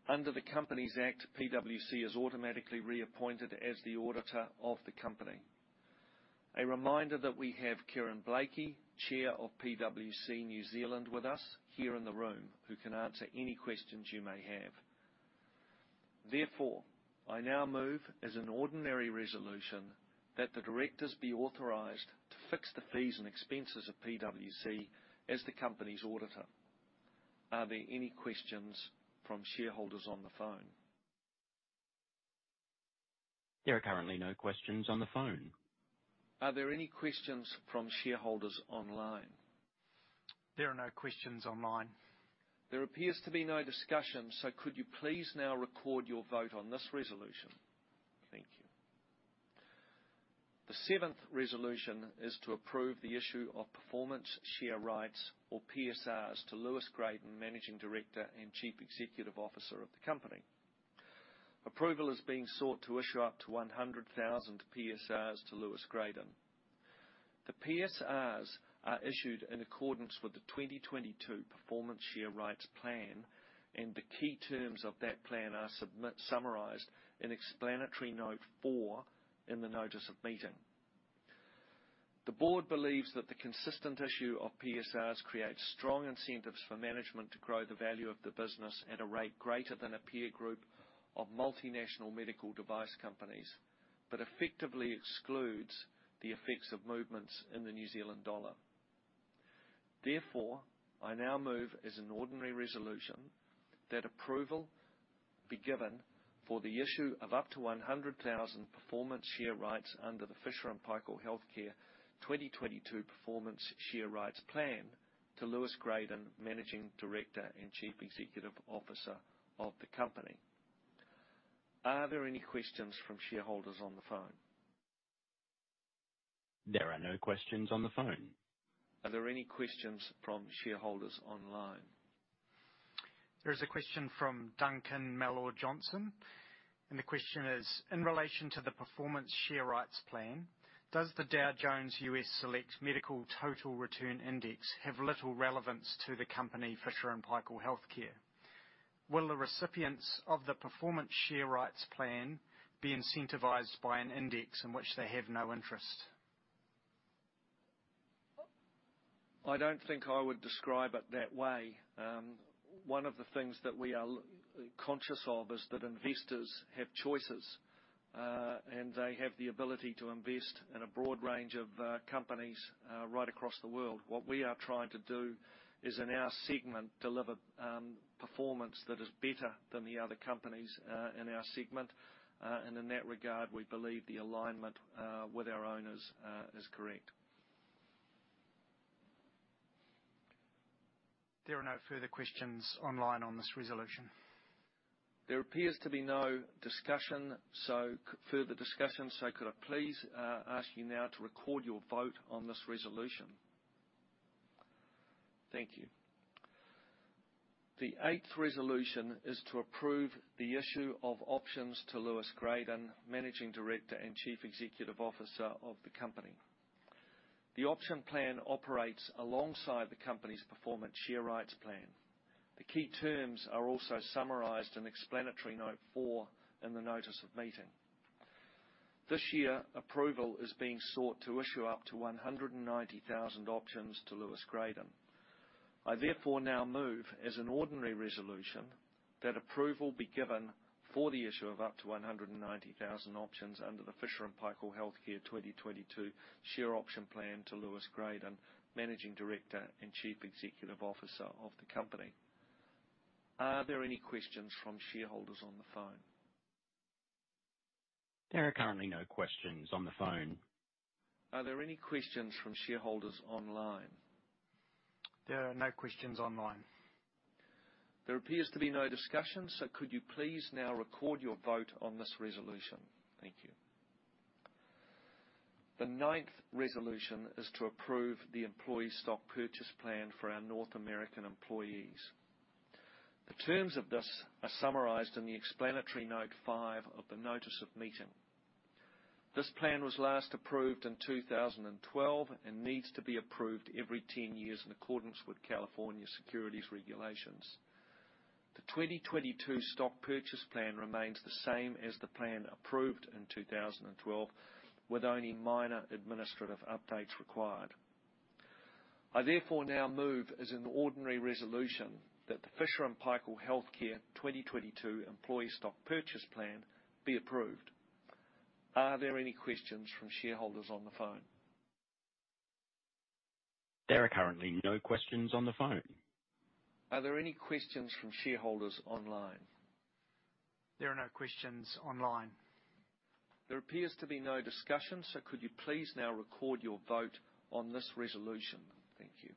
Under the Companies Act, PwC is automatically reappointed as the auditor of the company. A reminder that we have Karen Bleakley, Chair of PwC New Zealand, with us here in the room, who can answer any questions you may have. Therefore, I now move as an ordinary resolution that the directors be authorized to fix the fees and expenses of PwC as the company's auditor. Are there any questions from shareholders on the phone? There are currently no questions on the phone. Are there any questions from shareholders online? There are no questions online. There appears to be no discussion, so could you please now record your vote on this resolution? Thank you. The seventh resolution is to approve the issue of performance share rights, or PSRs, to Lewis Gradon, Managing Director and Chief Executive Officer of the company. Approval is being sought to issue up to 100,000 PSRs to Lewis Gradon. The PSRs are issued in accordance with the 2022 Performance Share Rights Plan, and the key terms of that plan are summarized in explanatory note 4 in the notice of meeting. The board believes that the consistent issue of PSRs creates strong incentives for management to grow the value of the business at a rate greater than a peer group of multinational medical device companies, but effectively excludes the effects of movements in the New Zealand dollar. Therefore, I now move as an ordinary resolution that approval be given for the issue of up to 100,000 Performance Share Rights under the Fisher & Paykel Healthcare 2022 Performance Share Rights Plan to Lewis Gradon, Managing Director and Chief Executive Officer of the company. Are there any questions from shareholders on the phone? There are no questions on the phone. Are there any questions from shareholders online? There is a question from Duncan Miller-Johnson, and the question is, "In relation to the Performance Share Rights plan, does the Dow Jones U.S. Select Medical Equipment Total Return Index have little relevance to the company, Fisher & Paykel Healthcare? Will the recipients of the Performance Share Rights plan be incentivized by an index in which they have no interest? I don't think I would describe it that way. One of the things that we are conscious of is that investors have choices, and they have the ability to invest in a broad range of companies right across the world. What we are trying to do is, in our segment, deliver performance that is better than the other companies in our segment. In that regard, we believe the alignment with our owners is correct. There are no further questions online on this resolution. There appears to be no discussion, so could I please ask you now to record your vote on this resolution? Thank you. The eighth resolution is to approve the issue of options to Lewis Gradon, Managing Director and Chief Executive Officer of the company. The option plan operates alongside the company's performance share rights plan. The key terms are also summarized in explanatory note four in the notice of meeting. This year, approval is being sought to issue up to 190,000 options to Lewis Gradon. I therefore now move as an ordinary resolution that approval be given for the issue of up to 190,000 options under the Fisher & Paykel Healthcare 2022 share option plan to Lewis Gradon, Managing Director and Chief Executive Officer of the company. Are there any questions from shareholders on the phone? There are currently no questions on the phone. Are there any questions from shareholders online? There are no questions online. There appears to be no discussion, so could you please now record your vote on this resolution? Thank you. The ninth resolution is to approve the employee stock purchase plan for our North American employees. The terms of this are summarized in the explanatory note 5 of the notice of meeting. This plan was last approved in 2012 and needs to be approved every 10 years in accordance with California securities regulations. The 2022 stock purchase plan remains the same as the plan approved in 2012, with only minor administrative updates required. I therefore now move as an ordinary resolution that the Fisher & Paykel Healthcare 2022 employee stock purchase plan be approved. Are there any questions from shareholders on the phone? There are currently no questions on the phone. Are there any questions from shareholders online? There are no questions online. There appears to be no discussion, so could you please now record your vote on this resolution? Thank you.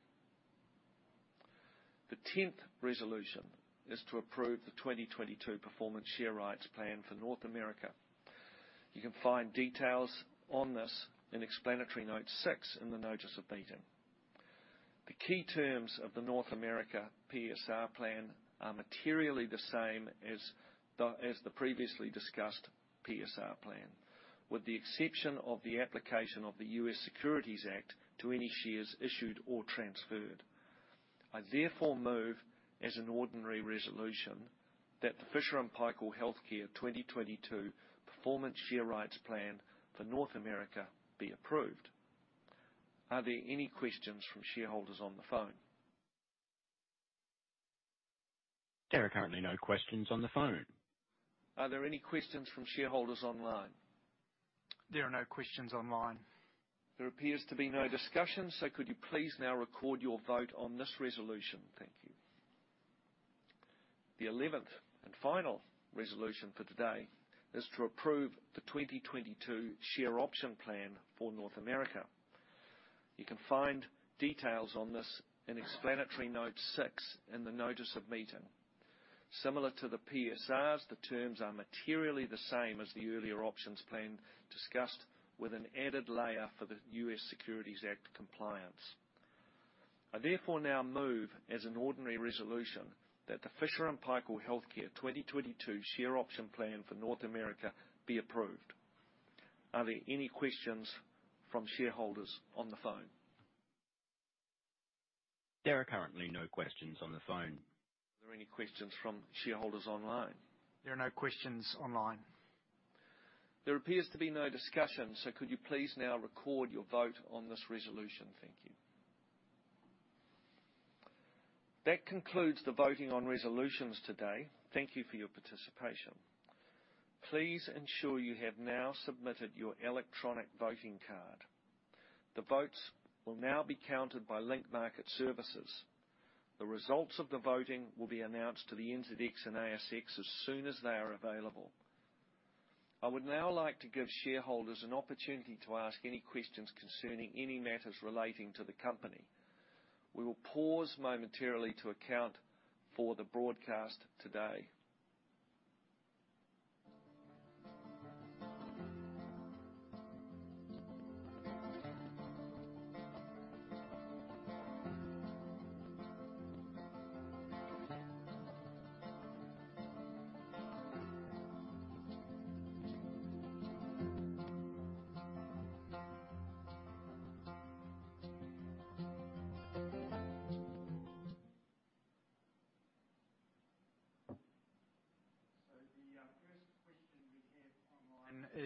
The tenth resolution is to approve the 2022 performance share rights plan for North America. You can find details on this in explanatory note six in the notice of meeting. The key terms of the North America PSR plan are materially the same as the previously discussed PSR plan, with the exception of the application of the U.S. Securities Act to any shares issued or transferred. I therefore move as an ordinary resolution that the Fisher & Paykel Healthcare 2022 performance share rights plan for North America be approved. Are there any questions from shareholders on the phone? There are currently no questions on the phone. Are there any questions from shareholders online? There are no questions online. There appears to be no discussion, so could you please now record your vote on this resolution? Thank you. The eleventh and final resolution for today is to approve the 2022 share option plan for North America. You can find details on this in explanatory note six in the notice of meeting. Similar to the PSRs, the terms are materially the same as the earlier options plan discussed with an added layer for the U.S. Securities Act compliance. I therefore now move as an ordinary resolution that the Fisher & Paykel Healthcare 2022 share option plan for North America be approved. Are there any questions from shareholders on the phone? There are currently no questions on the phone. Are there any questions from shareholders online? There are no questions online. There appears to be no discussion, so could you please now record your vote on this resolution? Thank you. That concludes the voting on resolutions today. Thank you for your participation. Please ensure you have now submitted your electronic voting card. The votes will now be counted by Link Market Services. The results of the voting will be announced to the NZX and ASX as soon as they are available. I would now like to give shareholders an opportunity to ask any questions concerning any matters relating to the company. We will pause momentarily to account for the broadcast today.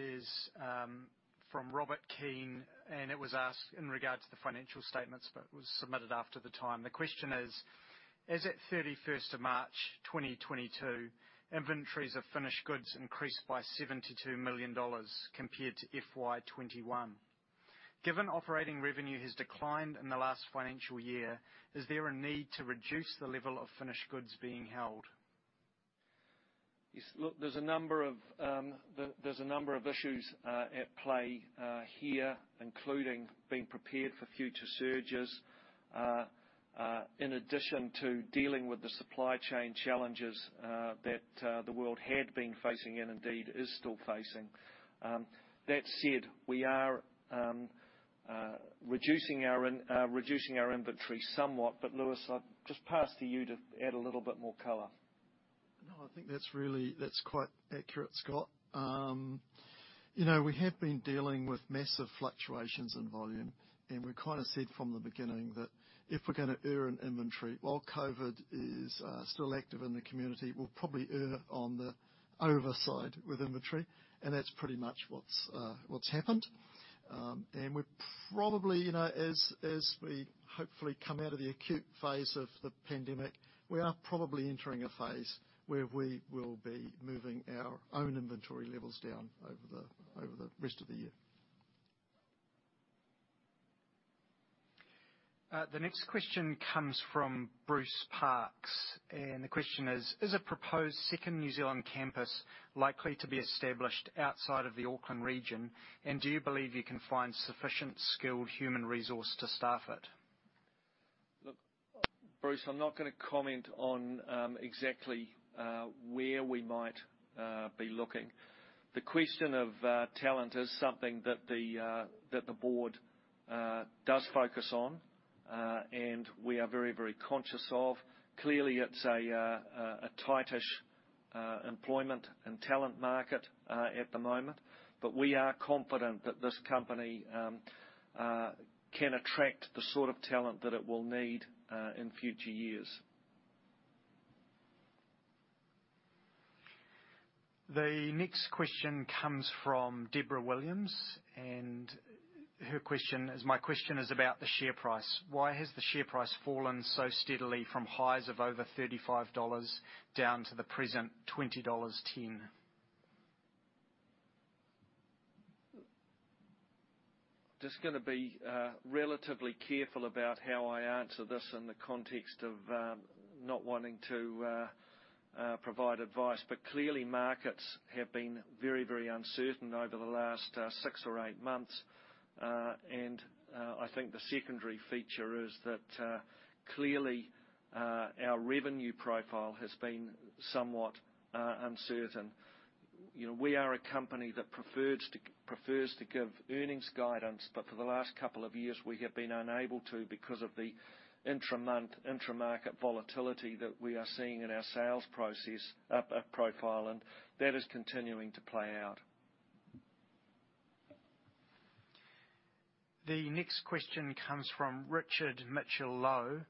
The first question we have online is from Robert Keane, and it was asked in regard to the financial statements, but was submitted after the time. The question is: As at 31 March 2022, inventories of finished goods increased by $72 million compared to FY 2021. Given operating revenue has declined in the last financial year, is there a need to reduce the level of finished goods being held? Yes. Look, there's a number of issues at play here, including being prepared for future surges in addition to dealing with the supply chain challenges that the world had been facing and indeed is still facing. That said, we are reducing our inventory somewhat, but Lewis, I'll just pass to you to add a little bit more color. No, I think that's really, that's quite accurate, Scott. You know, we have been dealing with massive fluctuations in volume, and we kind of said from the beginning that if we're going to err in inventory while COVID is still active in the community, we'll probably err on the over side with inventory, and that's pretty much what's happened. We're probably, you know, as we hopefully come out of the acute phase of the pandemic, we are probably entering a phase where we will be moving our own inventory levels down over the rest of the year. The next question comes from Bruce Parks, and the question is: Is a proposed second New Zealand campus likely to be established outside of the Auckland region, and do you believe you can find sufficient skilled human resource to staff it? Look, Bruce, I'm not going to comment on exactly where we might be looking. The question of talent is something that the board does focus on, and we are very, very conscious of. Clearly, it's a tight-ish employment and talent market at the moment, but we are confident that this company can attract the sort of talent that it will need in future years. The next question comes from Deborah Williams, and her question is: My question is about the share price. Why has the share price fallen so steadily from highs of over $35 down to the present $20.10? I'm going to be relatively careful about how I answer this in the context of not wanting to provide advice. Markets have been very, very uncertain over the last six or eight months. I think the secondary feature is that clearly our revenue profile has been somewhat uncertain. You know, we are a company that prefers to give earnings guidance, but for the last couple of years, we have been unable to because of the intra-month, intra-market volatility that we are seeing in our sales profile, and that is continuing to play out. The next question comes from Stephen Ridgewell.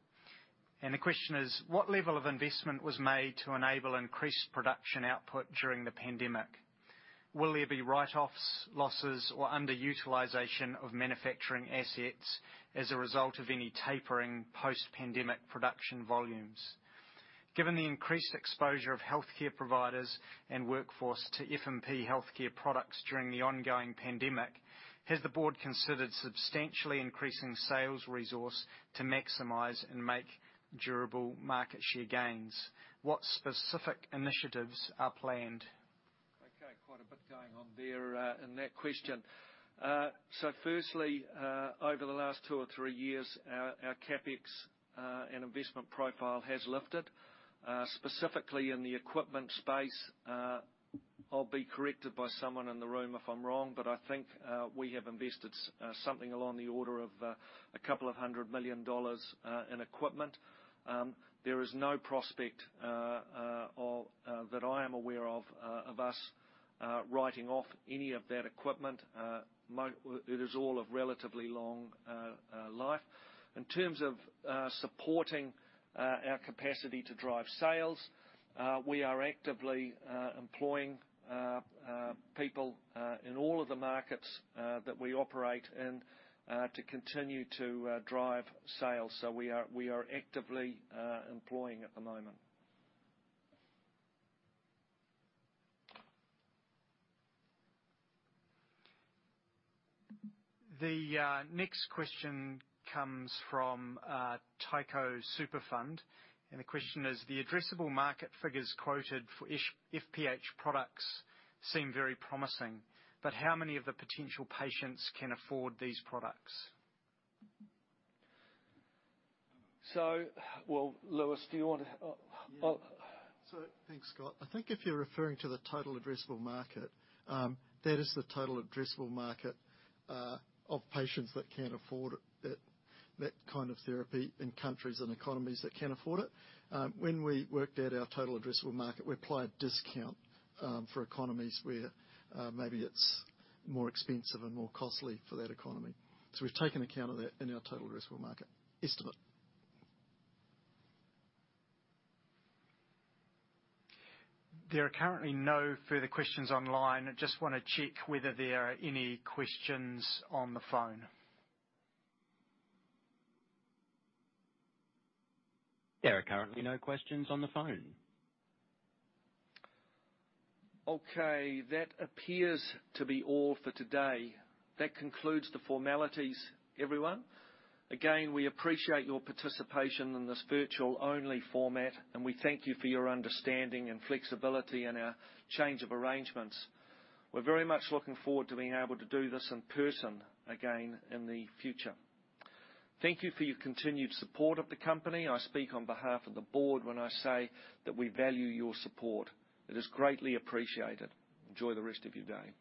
The question is, what level of investment was made to enable increased production output during the pandemic? Will there be write-offs, losses, or underutilization of manufacturing assets as a result of any tapering post-pandemic production volumes? Given the increased exposure of healthcare providers and workforce to F&P Healthcare products during the ongoing pandemic, has the board considered substantially increasing sales resource to maximize and make durable market share gains? What specific initiatives are planned? Okay, quite a bit going on there in that question. Firstly, over the last two or three years, our CapEx and investment profile has lifted, specifically in the equipment space. I'll be corrected by someone in the room if I'm wrong, but I think we have invested something along the order of a couple of hundred million dollars in equipment. There is no prospect that I am aware of of us writing off any of that equipment. It is all of relatively long life. In terms of supporting our capacity to drive sales, we are actively employing people in all of the markets that we operate in to continue to drive sales. We are actively employing at the moment. The next question comes from Tainui Superfund. The question is, the addressable market figures quoted for FPH products seem very promising. How many of the potential patients can afford these products? Well, Lewis, do you want to? Yeah. Oh. Thanks, Scott. I think if you're referring to the total addressable market, that is the total addressable market of patients that can afford it, that kind of therapy in countries and economies that can afford it. When we worked out our total addressable market, we applied discount for economies where maybe it's more expensive and more costly for that economy. We've taken account of that in our total addressable market estimate. There are currently no further questions online. I just want to check whether there are any questions on the phone. There are currently no questions on the phone. Okay. That appears to be all for today. That concludes the formalities, everyone. Again, we appreciate your participation in this virtual-only format, and we thank you for your understanding and flexibility in our change of arrangements. We're very much looking forward to being able to do this in person again in the future. Thank you for your continued support of the company. I speak on behalf of the board when I say that we value your support. It is greatly appreciated. Enjoy the rest of your day.